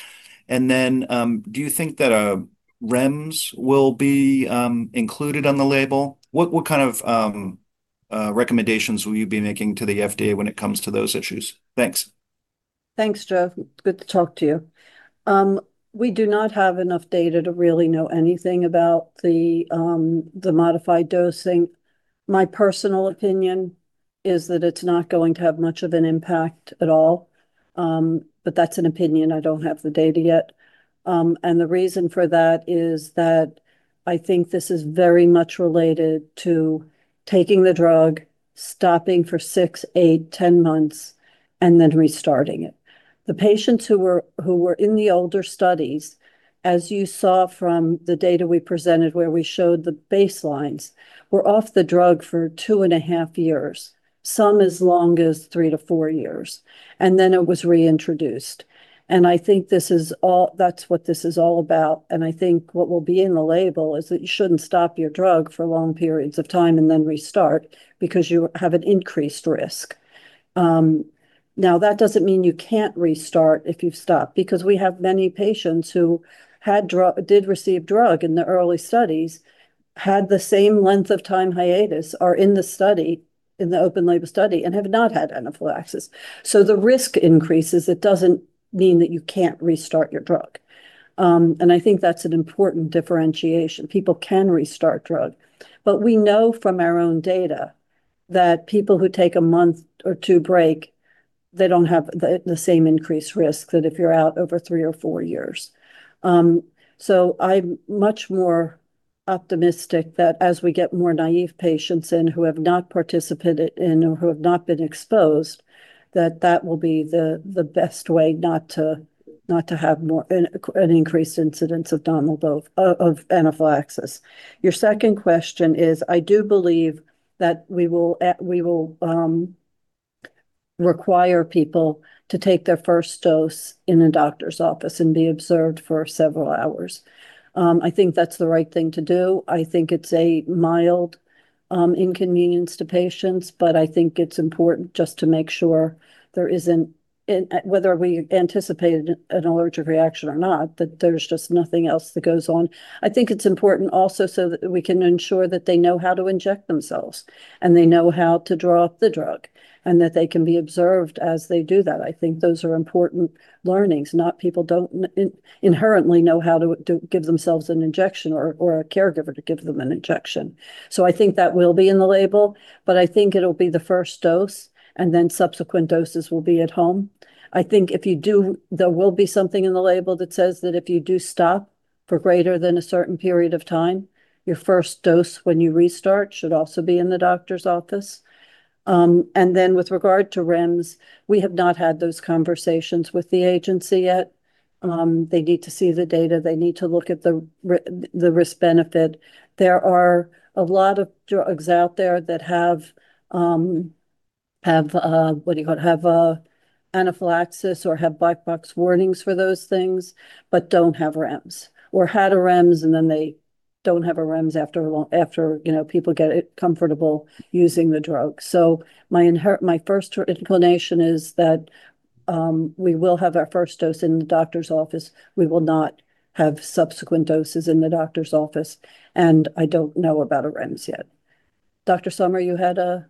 Do you think that a REMS will be included on the label? What kind of recommendations will you be making to the FDA when it comes to those issues? Thanks. Thanks, Joe. Good to talk to you. We do not have enough data to really know anything about the modified dosing. My personal opinion is that it's not going to have much of an impact at all. That's an opinion. I don't have the data yet. The reason for that is that I think this is very much related to taking the drug, stopping for six, eight, 10 months, and then restarting it. The patients who were in the older studies, as you saw from the data we presented where we showed the baselines, were off the drug for two and a half years, some as long as three to four years, and then it was reintroduced. I think that's what this is all about. I think what will be in the label is that you shouldn't stop your drug for long periods of time and then restart because you have an increased risk. That doesn't mean you can't restart if you've stopped, because we have many patients who did receive drug in the early studies, had the same length of time hiatus, are in the open label study, and have not had anaphylaxis. The risk increases. It doesn't mean that you can't restart your drug. I think that's an important differentiation. People can restart drug. We know from our own data that people who take a month or two break, they don't have the same increased risk that if you're out over three or four years. I'm much more optimistic that as we get more naive patients in who have not participated in or who have not been exposed, that that will be the best way not to have more an increased incidence of anaphylaxis. Your second question is, I do believe that we will require people to take their first dose in a doctor's office and be observed for several hours. I think that's the right thing to do. I think it's a mild inconvenience to patients, but I think it's important just to make sure there isn't, whether we anticipate an allergic reaction or not, that there's just nothing else that goes on. I think it's important also so that we can ensure that they know how to inject themselves. They know how to draw up the drug, and that they can be observed as they do that. I think those are important learnings. People don't inherently know how to give themselves an injection or a caregiver to give them an injection. I think that will be in the label, but I think it'll be the first dose, and then subsequent doses will be at home. I think there will be something in the label that says that if you do stop for greater than a certain period of time, your first dose when you restart should also be in the doctor's office. With regard to REMS, we have not had those conversations with the agency yet. They need to see the data. They need to look at the risk benefit. There are a lot of drugs out there that have anaphylaxis or have black box warnings for those things, but don't have REMS or had a REMS. They don't have a REMS after people get comfortable using the drug. My first inclination is that we will have our first dose in the doctor's office. We will not have subsequent doses in the doctor's office, and I don't know about a REMS yet. Dr. Summar.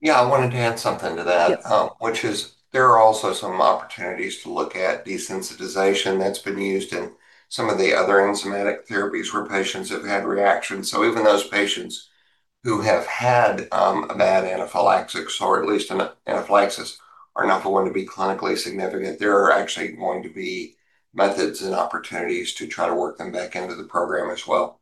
Yeah, I wanted to add something to that. Which is, there are also some opportunities to look at desensitization that's been used in some of the other enzymatic therapies where patients have had reactions. Even those patients who have had a bad anaphylaxis, or at least anaphylaxis, are not going to be clinically significant. There are actually going to be methods and opportunities to try to work them back into the program as well.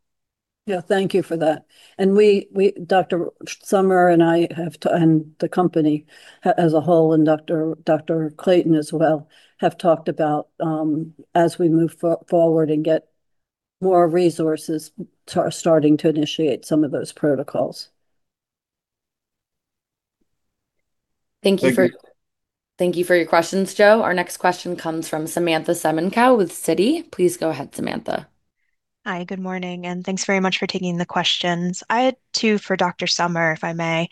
Yeah. Thank you for that. Dr. Summar and I, and the company as a whole, and Dr. Clayton as well, have talked about, as we move forward and get more resources, starting to initiate some of those protocols. Thank you. Thank you for your questions, Joe. Our next question comes from Samantha Semenkow with Citi. Please go ahead, Samantha. Hi, good morning, thanks very much for taking the questions. I had two for Dr. Summar, if I may.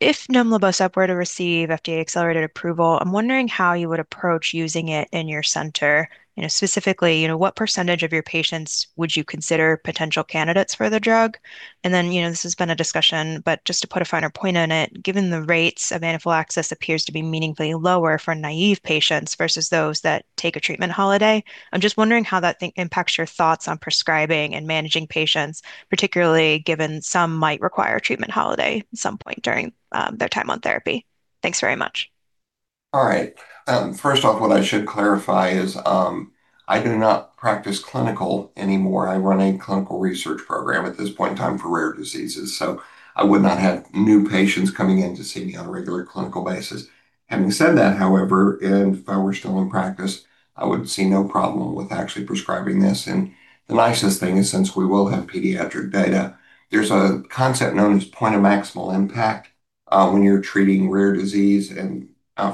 If nomlabofusp were to receive FDA accelerated approval, I'm wondering how you would approach using it in your center. Specifically, what percentage of your patients would you consider potential candidates for the drug? Then, this has been a discussion, but just to put a finer point on it, given the rates of anaphylaxis appears to be meaningfully lower for naive patients versus those that take a treatment holiday, I'm just wondering how that impacts your thoughts on prescribing and managing patients, particularly given some might require a treatment holiday at some point during their time on therapy. Thanks very much. All right. First off, what I should clarify is I do not practice clinical anymore. I run a clinical research program at this point in time for rare diseases. I would not have new patients coming in to see me on a regular clinical basis. Having said that, however, if I were still in practice, I would see no problem with actually prescribing this. The nicest thing is, since we will have pediatric data, there's a concept known as point of maximal impact when you're treating rare disease.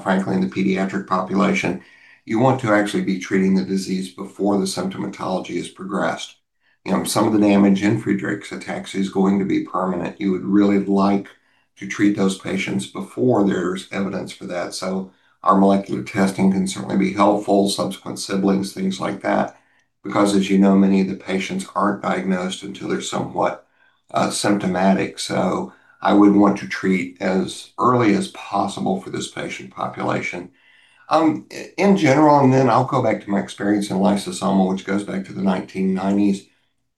Frankly, in the pediatric population, you want to actually be treating the disease before the symptomatology has progressed. Some of the damage in Friedreich's ataxia is going to be permanent. You would really like to treat those patients before there's evidence for that. Our molecular testing can certainly be helpful, subsequent siblings, things like that, because as you know, many of the patients aren't diagnosed until they're somewhat symptomatic. I would want to treat as early as possible for this patient population. In general, I'll go back to my experience in lysosomal, which goes back to the 1990s.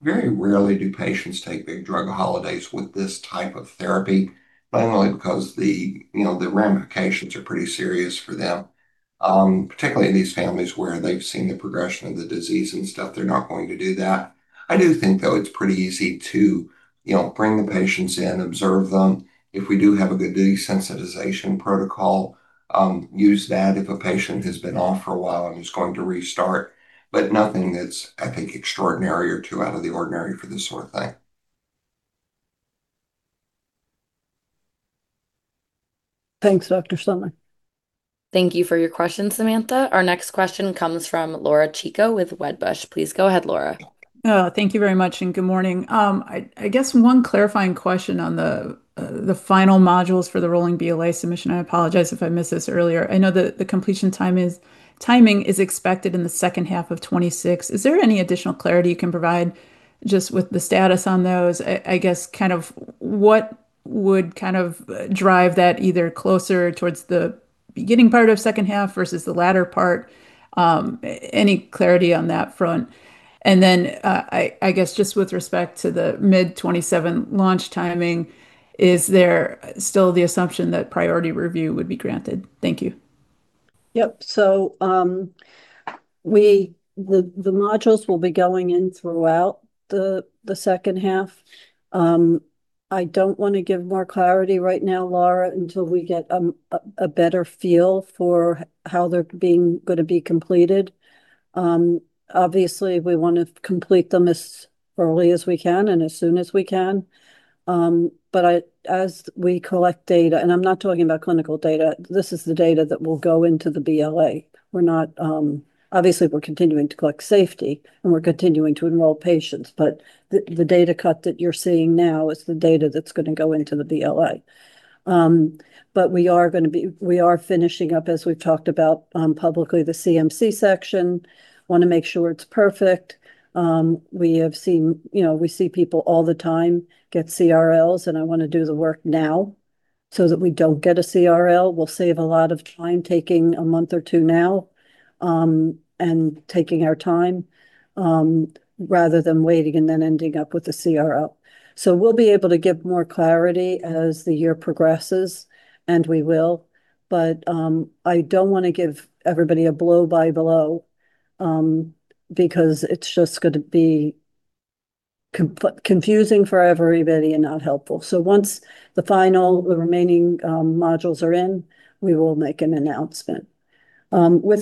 Very rarely do patients take big drug holidays with this type of therapy, mainly because the ramifications are pretty serious for them. Particularly in these families where they've seen the progression of the disease and stuff, they're not going to do that. I do think, though, it's pretty easy to bring the patients in, observe them. If we do have a good desensitization protocol, use that if a patient has been off for a while and is going to restart. Nothing that's, I think, extraordinary or too out of the ordinary for this sort of thing. Thanks, Dr. Summar. Thank you for your question, Samantha. Our next question comes from Laura Chico with Wedbush. Please go ahead, Laura. Thank you very much, and good morning. I guess one clarifying question on the final modules for the rolling BLA submission. I apologize if I missed this earlier. I know that the completion timing is expected in the second half of 2026. Is there any additional clarity you can provide just with the status on those? I guess, what would drive that either closer towards the beginning part of second half versus the latter part? Any clarity on that front? Then, I guess, just with respect to the mid 2027 launch timing, is there still the assumption that priority review would be granted? Thank you. Yep. The modules will be going in throughout the second half. I don't want to give more clarity right now, Laura, until we get a better feel for how they're going to be completed. Obviously, we want to complete them as early as we can and as soon as we can. As we collect data, I'm not talking about clinical data, this is the data that will go into the BLA. Obviously, we're continuing to collect safety, and we're continuing to enroll patients, the data cut that you're seeing now is the data that's going to go into the BLA. We are finishing up, as we've talked about publicly, the CMC section. Want to make sure it's perfect. We see people all the time get CRLs, I want to do the work now so that we don't get a CRL. We'll save a lot of time taking a month or two now, taking our time, rather than waiting then ending up with a CRL. We'll be able to give more clarity as the year progresses, and we will. I don't want to give everybody a blow by blow, because it's just going to be confusing for everybody and not helpful. Once the final, the remaining modules are in, we will make an announcement. What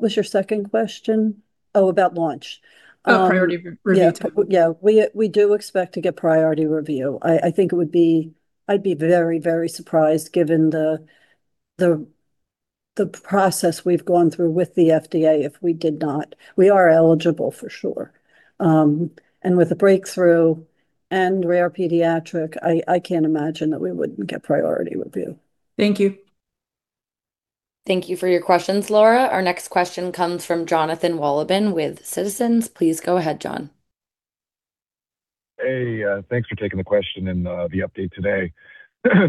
was your second question? Oh, about launch. About priority review time. Yeah. We do expect to get priority review. I think I'd be very surprised given the process we've gone through with the FDA if we did not. We are eligible for sure. With a breakthrough and rare pediatric, I can't imagine that we wouldn't get priority review. Thank you. Thank you for your questions, Laura. Our next question comes from Jonathan Wolleben with Citizens. Please go ahead, John. Hey, thanks for taking the question and the update today.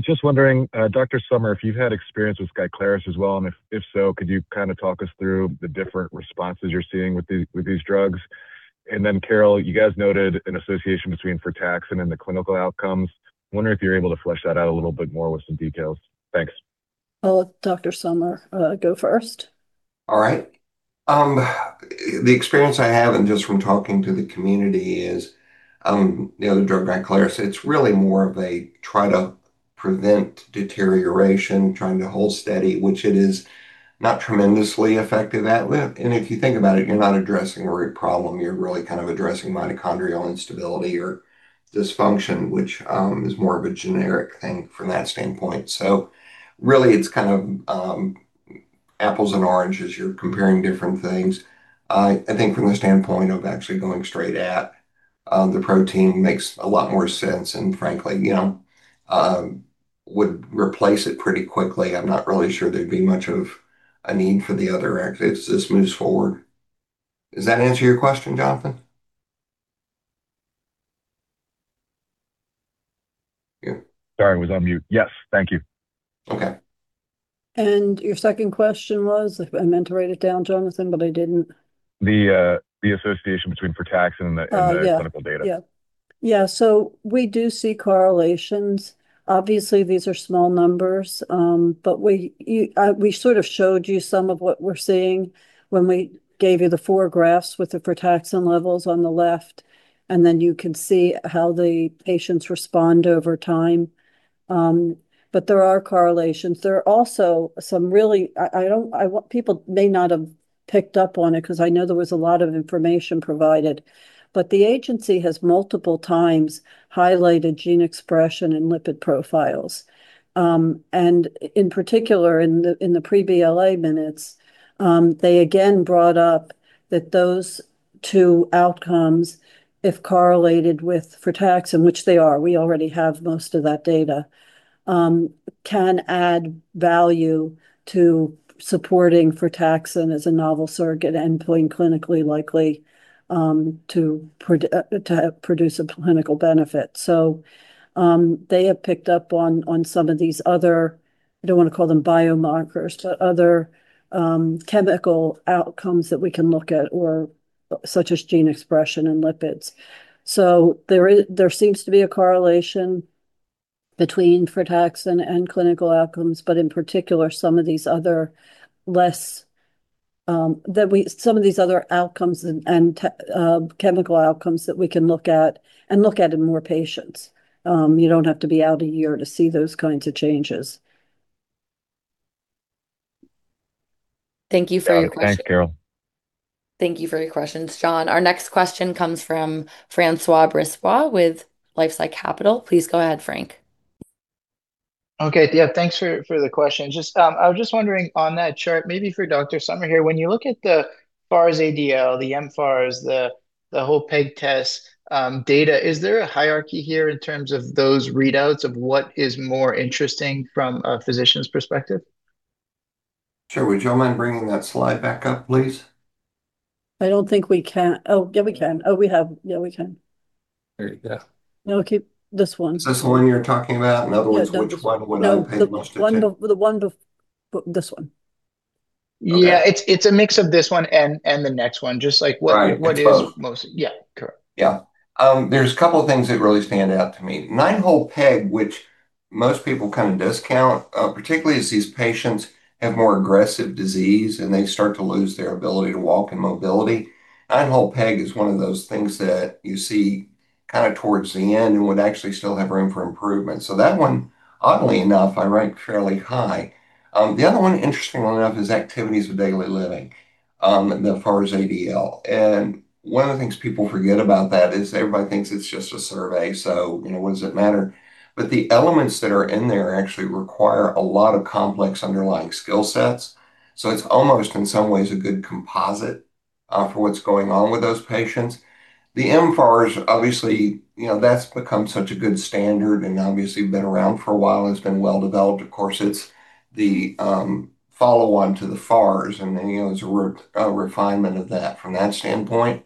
Just wondering, Dr. Summar, if you've had experience with SKYCLARYS as well, and if so, could you talk us through the different responses you're seeing with these drugs? Then Carol, you guys noted an association between frataxin and the clinical outcomes. Wondering if you're able to flesh that out a little bit more with some details. Thanks. I'll let Dr. Summar go first. All right. The experience I have, just from talking to the community is, the other drug, SKYCLARYS, it's really more of a try to prevent deterioration, trying to hold steady, which it is not tremendously effective at. If you think about it, you're not addressing a root problem. You're really addressing mitochondrial instability or dysfunction, which is more of a generic thing from that standpoint. Really, it's kind of apples and oranges. You're comparing different things. I think from the standpoint of actually going straight at the protein makes a lot more sense and frankly would replace it pretty quickly. I'm not really sure there'd be much of a need for the other as this moves forward. Does that answer your question, Jonathan? Yeah. Sorry, was on mute. Yes. Thank you. Okay. Your second question was? I meant to write it down, Jonathan, I didn't. The association between frataxin and the clinical data. Yeah. We do see correlations. Obviously, these are small numbers, but we showed you some of what we're seeing when we gave you the four graphs with the frataxin levels on the left, and then you can see how the patients respond over time. There are correlations. People may not have picked up on it because I know there was a lot of information provided, but the agency has multiple times highlighted gene expression and lipid profiles. In particular, in the pre-BLA minutes, they again brought up that those two outcomes, if correlated with frataxin, which they are, we already have most of that data, can add value to supporting frataxin as a novel surrogate endpoint clinically likely to produce a clinical benefit. They have picked up on some of these other, I don't want to call them biomarkers, but other chemical outcomes that we can look at, such as gene expression and lipids. There seems to be a correlation between frataxin and clinical outcomes, but in particular, some of these other outcomes and chemical outcomes that we can look at, and look at in more patients. You don't have to be out one year to see those kinds of changes. Thank you for your question. Thanks, Carol. Thank you for your questions, John. Our next question comes from Francois Brisebois with LifeSci Capital. Please go ahead, Frank. Okay. Thanks for the question. I was just wondering on that chart, maybe for Dr. Summar here, when you look at the FARS-ADL, the mFARS, the Nine Hole Peg Test data, is there a hierarchy here in terms of those readouts of what is more interesting from a physician's perspective? Sure. Would you mind bringing that slide back up, please? I don't think we can. Yeah, we can. We have. Yeah, we can. There you go. No, keep this one. Is this the one you're talking about? In other words, which one would I pay most attention? No, the one. This one. Yeah. It's a mix of this one and the next one. Just like. Right. It's both What is mostly. Yeah. Correct. Yeah. There's a couple of things that really stand out to me. Nine-Hole Peg, which most people discount, particularly as these patients have more aggressive disease, and they start to lose their ability to walk and mobility. Nine-Hole Peg is one of those things that you see towards the end and would actually still have room for improvement. That one, oddly enough, I rank fairly high. The other one, interestingly enough, is activities of daily living, the FARS-ADL. One of the things people forget about that is everybody thinks it's just a survey, so what does it matter? The elements that are in there actually require a lot of complex underlying skill sets. It's almost, in some ways, a good composite for what's going on with those patients. The mFARS, obviously, that's become such a good standard and obviously been around for a while. It's been well-developed. Of course, it's the follow-on to the FARS, and it's a refinement of that from that standpoint.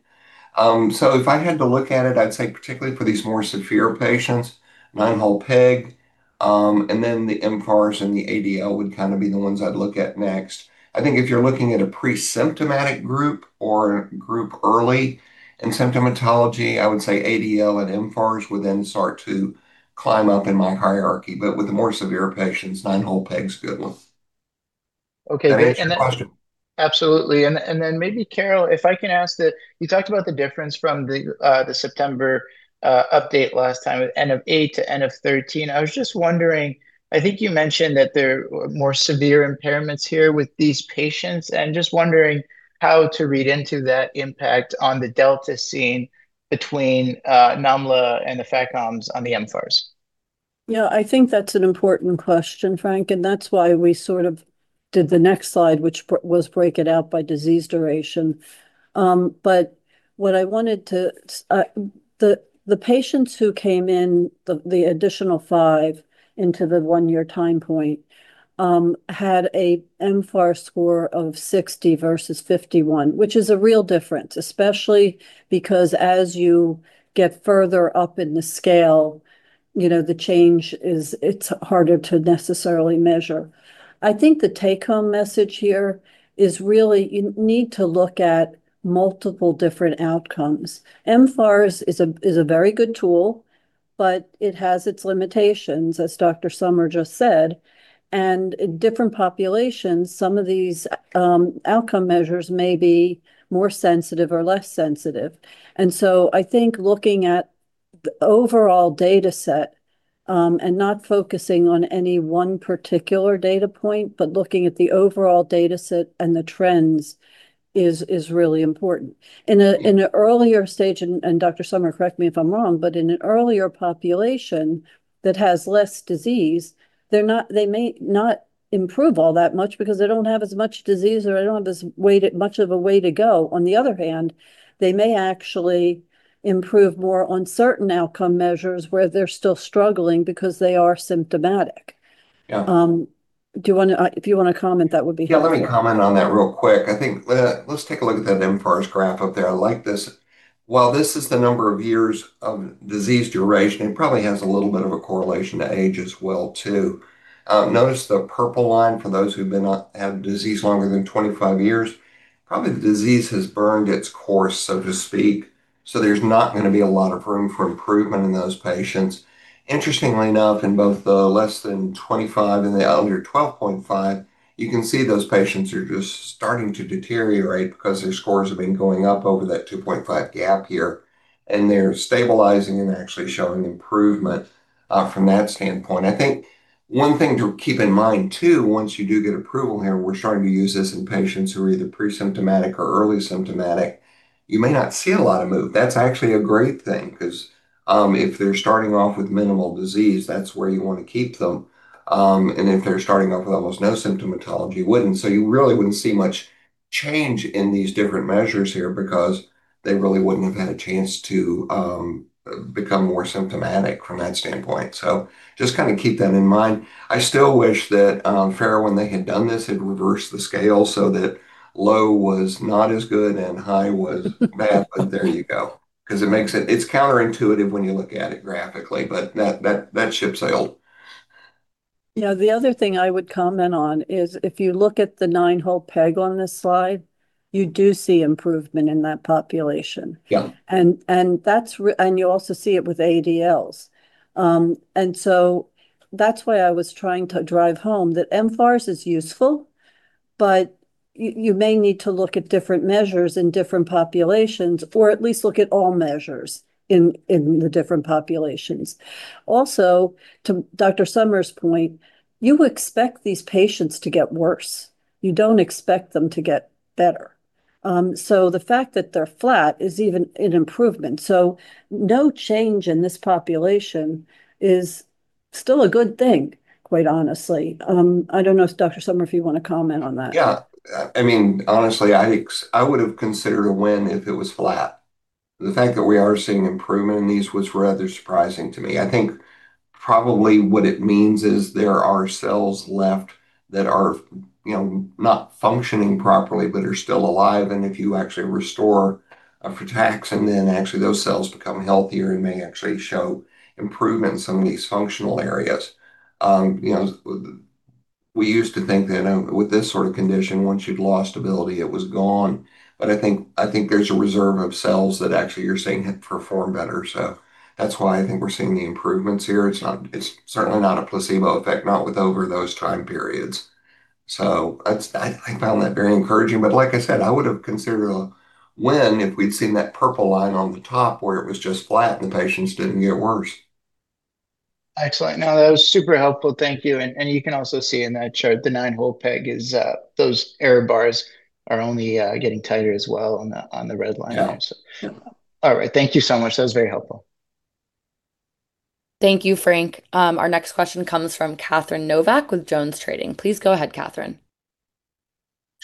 If I had to look at it, I'd say particularly for these more severe patients, Nine-Hole Peg, and then the mFARS and the ADL would be the ones I'd look at next. I think if you're looking at a pre-symptomatic group or a group early in symptomatology, I would say ADL and mFARS would then start to climb up in my hierarchy. With the more severe patients, Nine-Hole Peg's a good one. Okay. Does that answer your question? Absolutely. Maybe, Carol, if I can ask that you talked about the difference from the September update last time at N of 8 to N of 13. I was just wondering, I think you mentioned that there are more severe impairments here with these patients, just wondering how to read into that impact on the delta seen between namla and the FACOMS on the mFARS. I think that's an important question, Frank, that's why we did the next slide, which was break it out by disease duration. The patients who came in, the additional five into the one-year time point, had a mFARS score of 60 versus 51, which is a real difference, especially because as you get further up in the scale, the change is harder to necessarily measure. I think the take-home message here is really you need to look at multiple different outcomes. mFARS is a very good tool, but it has its limitations, as Dr. Summar just said. In different populations, some of these outcome measures may be more sensitive or less sensitive. I think looking at the overall data set. Not focusing on any one particular data point, but looking at the overall data set and the trends is really important. In an earlier stage, Dr. Summar, correct me if I'm wrong, in an earlier population that has less disease, they may not improve all that much because they don't have as much disease or they don't have as much of a way to go. On the other hand, they may actually improve more on certain outcome measures where they're still struggling because they are symptomatic. If you want to comment, that would be helpful. Yeah, let me comment on that real quick. I think let's take a look at that mFARS graph up there. I like this. While this is the number of years of disease duration, it probably has a little bit of a correlation to age as well, too. Notice the purple line for those who have disease longer than 25 years. Probably the disease has burned its course, so to speak. There's not going to be a lot of room for improvement in those patients. Interestingly enough, in both the less than 25 and the under 12.5, you can see those patients are just starting to deteriorate because their scores have been going up over that 2.5 gap here, and they're stabilizing and actually showing improvement from that standpoint. I think one thing to keep in mind too, once you do get approval here, we're starting to use this in patients who are either pre-symptomatic or early symptomatic. You may not see a lot of move. That's actually a great thing, because if they're starting off with minimal disease, that's where you want to keep them. If they're starting off with almost no symptomatology, you wouldn't. You really wouldn't see much change in these different measures here because they really wouldn't have had a chance to become more symptomatic from that standpoint. Just keep that in mind. I still wish that, FARA, when they had done this, had reversed the scale so that low was not as good and high was bad. There you go. It's counterintuitive when you look at it graphically, but that ship's sailed. Yeah. The other thing I would comment on is if you look at the Nine Hole Peg on this slide, you do see improvement in that population. You also see it with ADLs. That's why I was trying to drive home that mFARS is useful, but you may need to look at different measures in different populations, or at least look at all measures in the different populations. To Dr. Summar's point, you expect these patients to get worse. You don't expect them to get better. The fact that they're flat is even an improvement. No change in this population is still a good thing, quite honestly. I don't know, Dr. Summar, if you want to comment on that. Honestly, I would have considered a win if it was flat. The fact that we are seeing improvement in these was rather surprising to me. I think probably what it means is there are cells left that are not functioning properly, but are still alive. If you actually restore a frataxin, those cells become healthier and may actually show improvement in some of these functional areas. We used to think that with this sort of condition, once you'd lost ability, it was gone. I think there's a reserve of cells that actually you're seeing perform better. That's why I think we're seeing the improvements here. It's certainly not a placebo effect, not with over those time periods. I found that very encouraging. Like I said, I would have considered a win if we'd seen that purple line on the top where it was just flat and the patients didn't get worse. Excellent. That was super helpful. Thank you. You can also see in that chart, the Nine Hole Peg, those error bars are only getting tighter as well on the red line there. Yeah. All right. Thank you so much. That was very helpful. Thank you, Frank. Our next question comes from Catherine Novack with JonesTrading. Please go ahead, Catherine.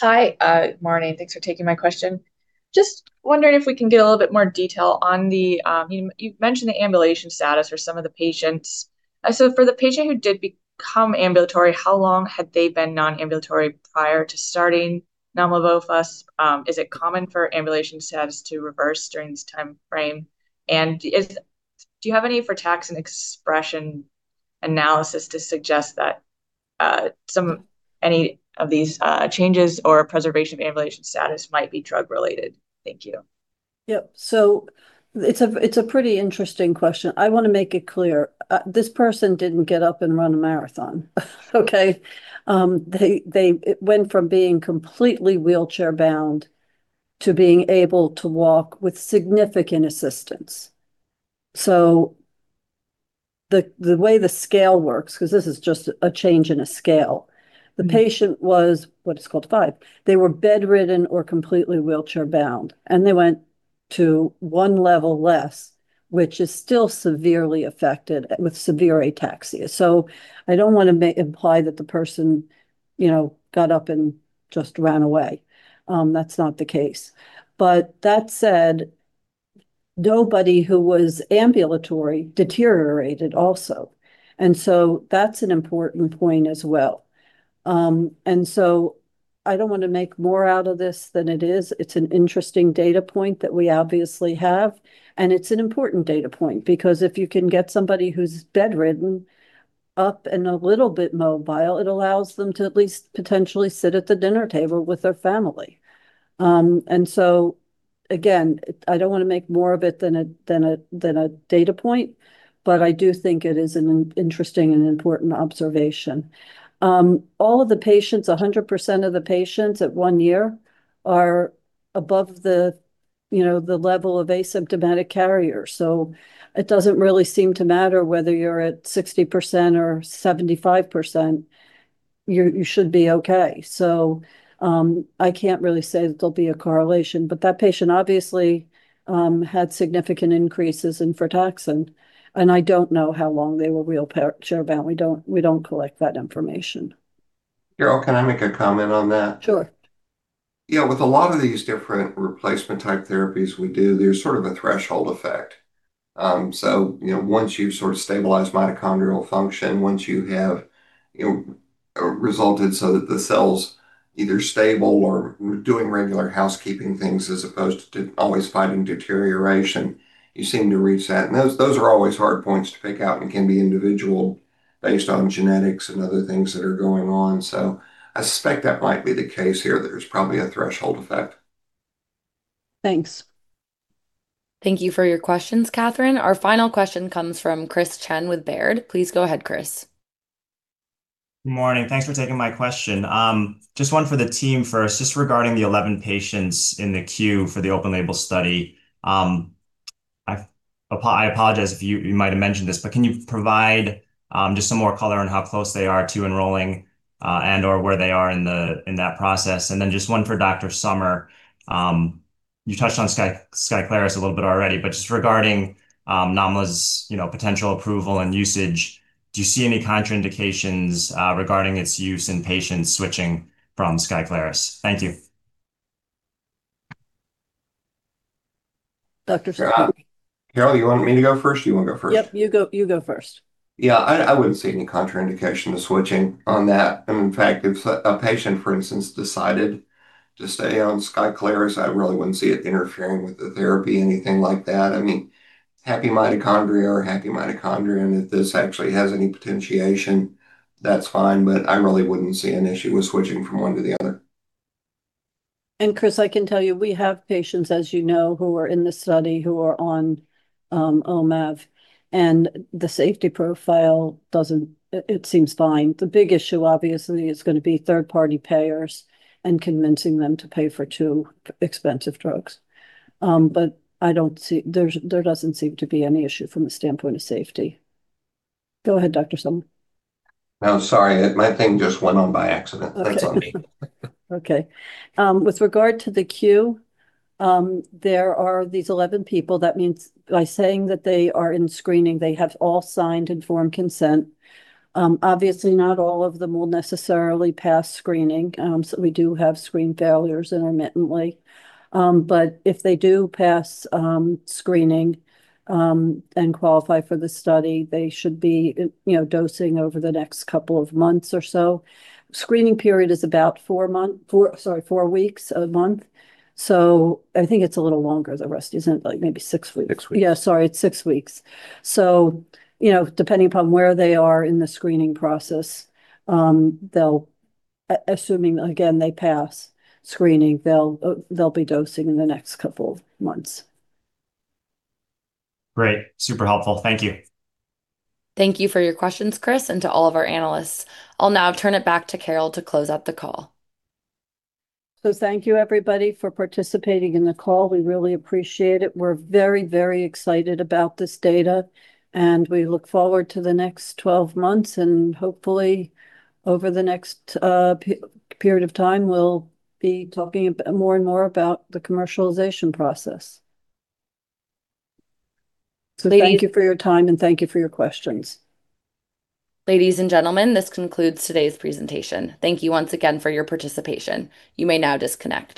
Hi. Good morning. Thanks for taking my question. Just wondering if we can get a little bit more detail on the, you've mentioned the ambulation status for some of the patients. For the patient who did become ambulatory, how long had they been non-ambulatory prior to starting nomlabofusp? Is it common for ambulation status to reverse during this time frame? Do you have any frataxin expression analysis to suggest that any of these changes or preservation of ambulation status might be drug-related? Thank you. Yep. It's a pretty interesting question. I want to make it clear. This person didn't get up and run a marathon. Okay. They went from being completely wheelchair-bound to being able to walk with significant assistance. The way the scale works, because this is just a change in a scale, the patient was what is called five. They were bedridden or completely wheelchair-bound, they went to one level less, which is still severely affected with severe ataxia. I don't want to imply that the person got up and just ran away. That's not the case. That said, nobody who was ambulatory deteriorated also. That's an important point as well. I don't want to make more out of this than it is. It's an interesting data point that we obviously have, and it's an important data point, because if you can get somebody who's bedridden up and a little bit mobile, it allows them to at least potentially sit at the dinner table with their family. Again, I don't want to make more of it than a data point. I do think it is an interesting and important observation. All of the patients, 100% of the patients at one year are above the level of asymptomatic carrier. It doesn't really seem to matter whether you're at 60% or 75%, you should be okay. I can't really say that there'll be a correlation. That patient obviously had significant increases in frataxin, and I don't know how long they were wheelchair-bound. We don't collect that information. Carol, can I make a comment on that? Sure. Yeah. With a lot of these different replacement type therapies we do, there's sort of a threshold effect. Once you've sort of stabilized mitochondrial function, once you have resulted so that the cell's either stable or doing regular housekeeping things as opposed to always fighting deterioration, you seem to reach that. Those are always hard points to pick out and can be individual based on genetics and other things that are going on. I suspect that might be the case here. There's probably a threshold effect. Thanks. Thank you for your questions, Catherine. Our final question comes from Chris Chen with Baird. Please go ahead, Chris. Good morning. Thanks for taking my question. Just one for the team first, just regarding the 11 patients in the queue for the open-label study. I apologize if you might've mentioned this, but can you provide just some more color on how close they are to enrolling, and/or where they are in that process? Then just one for Dr. Summar. You touched on SKYCLARYS a little bit already, but just regarding nomlabofusp's potential approval and usage, do you see any contraindications regarding its use in patients switching from SKYCLARYS? Thank you. Dr. Summar. Carol, you want me to go first, or you want to go first? Yep, you go first. Yeah, I wouldn't see any contraindication to switching on that. In fact, if a patient, for instance, decided to stay on SKYCLARYS, I really wouldn't see it interfering with the therapy or anything like that. Happy mitochondria are happy mitochondria, and if this actually has any potentiation, that's fine. I really wouldn't see an issue with switching from one to the other. Chris, I can tell you, we have patients, as you know, who are in the study who are on OMAV, and the safety profile, it seems fine. The big issue, obviously, is going to be third-party payers and convincing them to pay for two expensive drugs. There doesn't seem to be any issue from the standpoint of safety. Go ahead, Dr. Summar. No, sorry, my thing just went on by accident. That's on me. Okay. With regard to the queue, there are these 11 people. That means by saying that they are in screening, they have all signed informed consent. Obviously, not all of them will necessarily pass screening. We do have screen failures intermittently. If they do pass screening, and qualify for the study, they should be dosing over the next couple of months or so. Screening period is about four weeks, a month. I think it's a little longer, Rusty, isn't it? Like maybe six weeks. Six weeks. Yeah, sorry. It's six weeks. Depending upon where they are in the screening process, assuming, again, they pass screening, they'll be dosing in the next couple of months. Great. Super helpful. Thank you. Thank you for your questions, Chris, and to all of our analysts. I'll now turn it back to Carol to close out the call. Thank you everybody for participating in the call. We really appreciate it. We're very, very excited about this data, and we look forward to the next 12 months, and hopefully over the next period of time, we'll be talking more and more about the commercialization process. Thank you for your time, and thank you for your questions. Ladies and gentlemen, this concludes today's presentation. Thank you once again for your participation. You may now disconnect.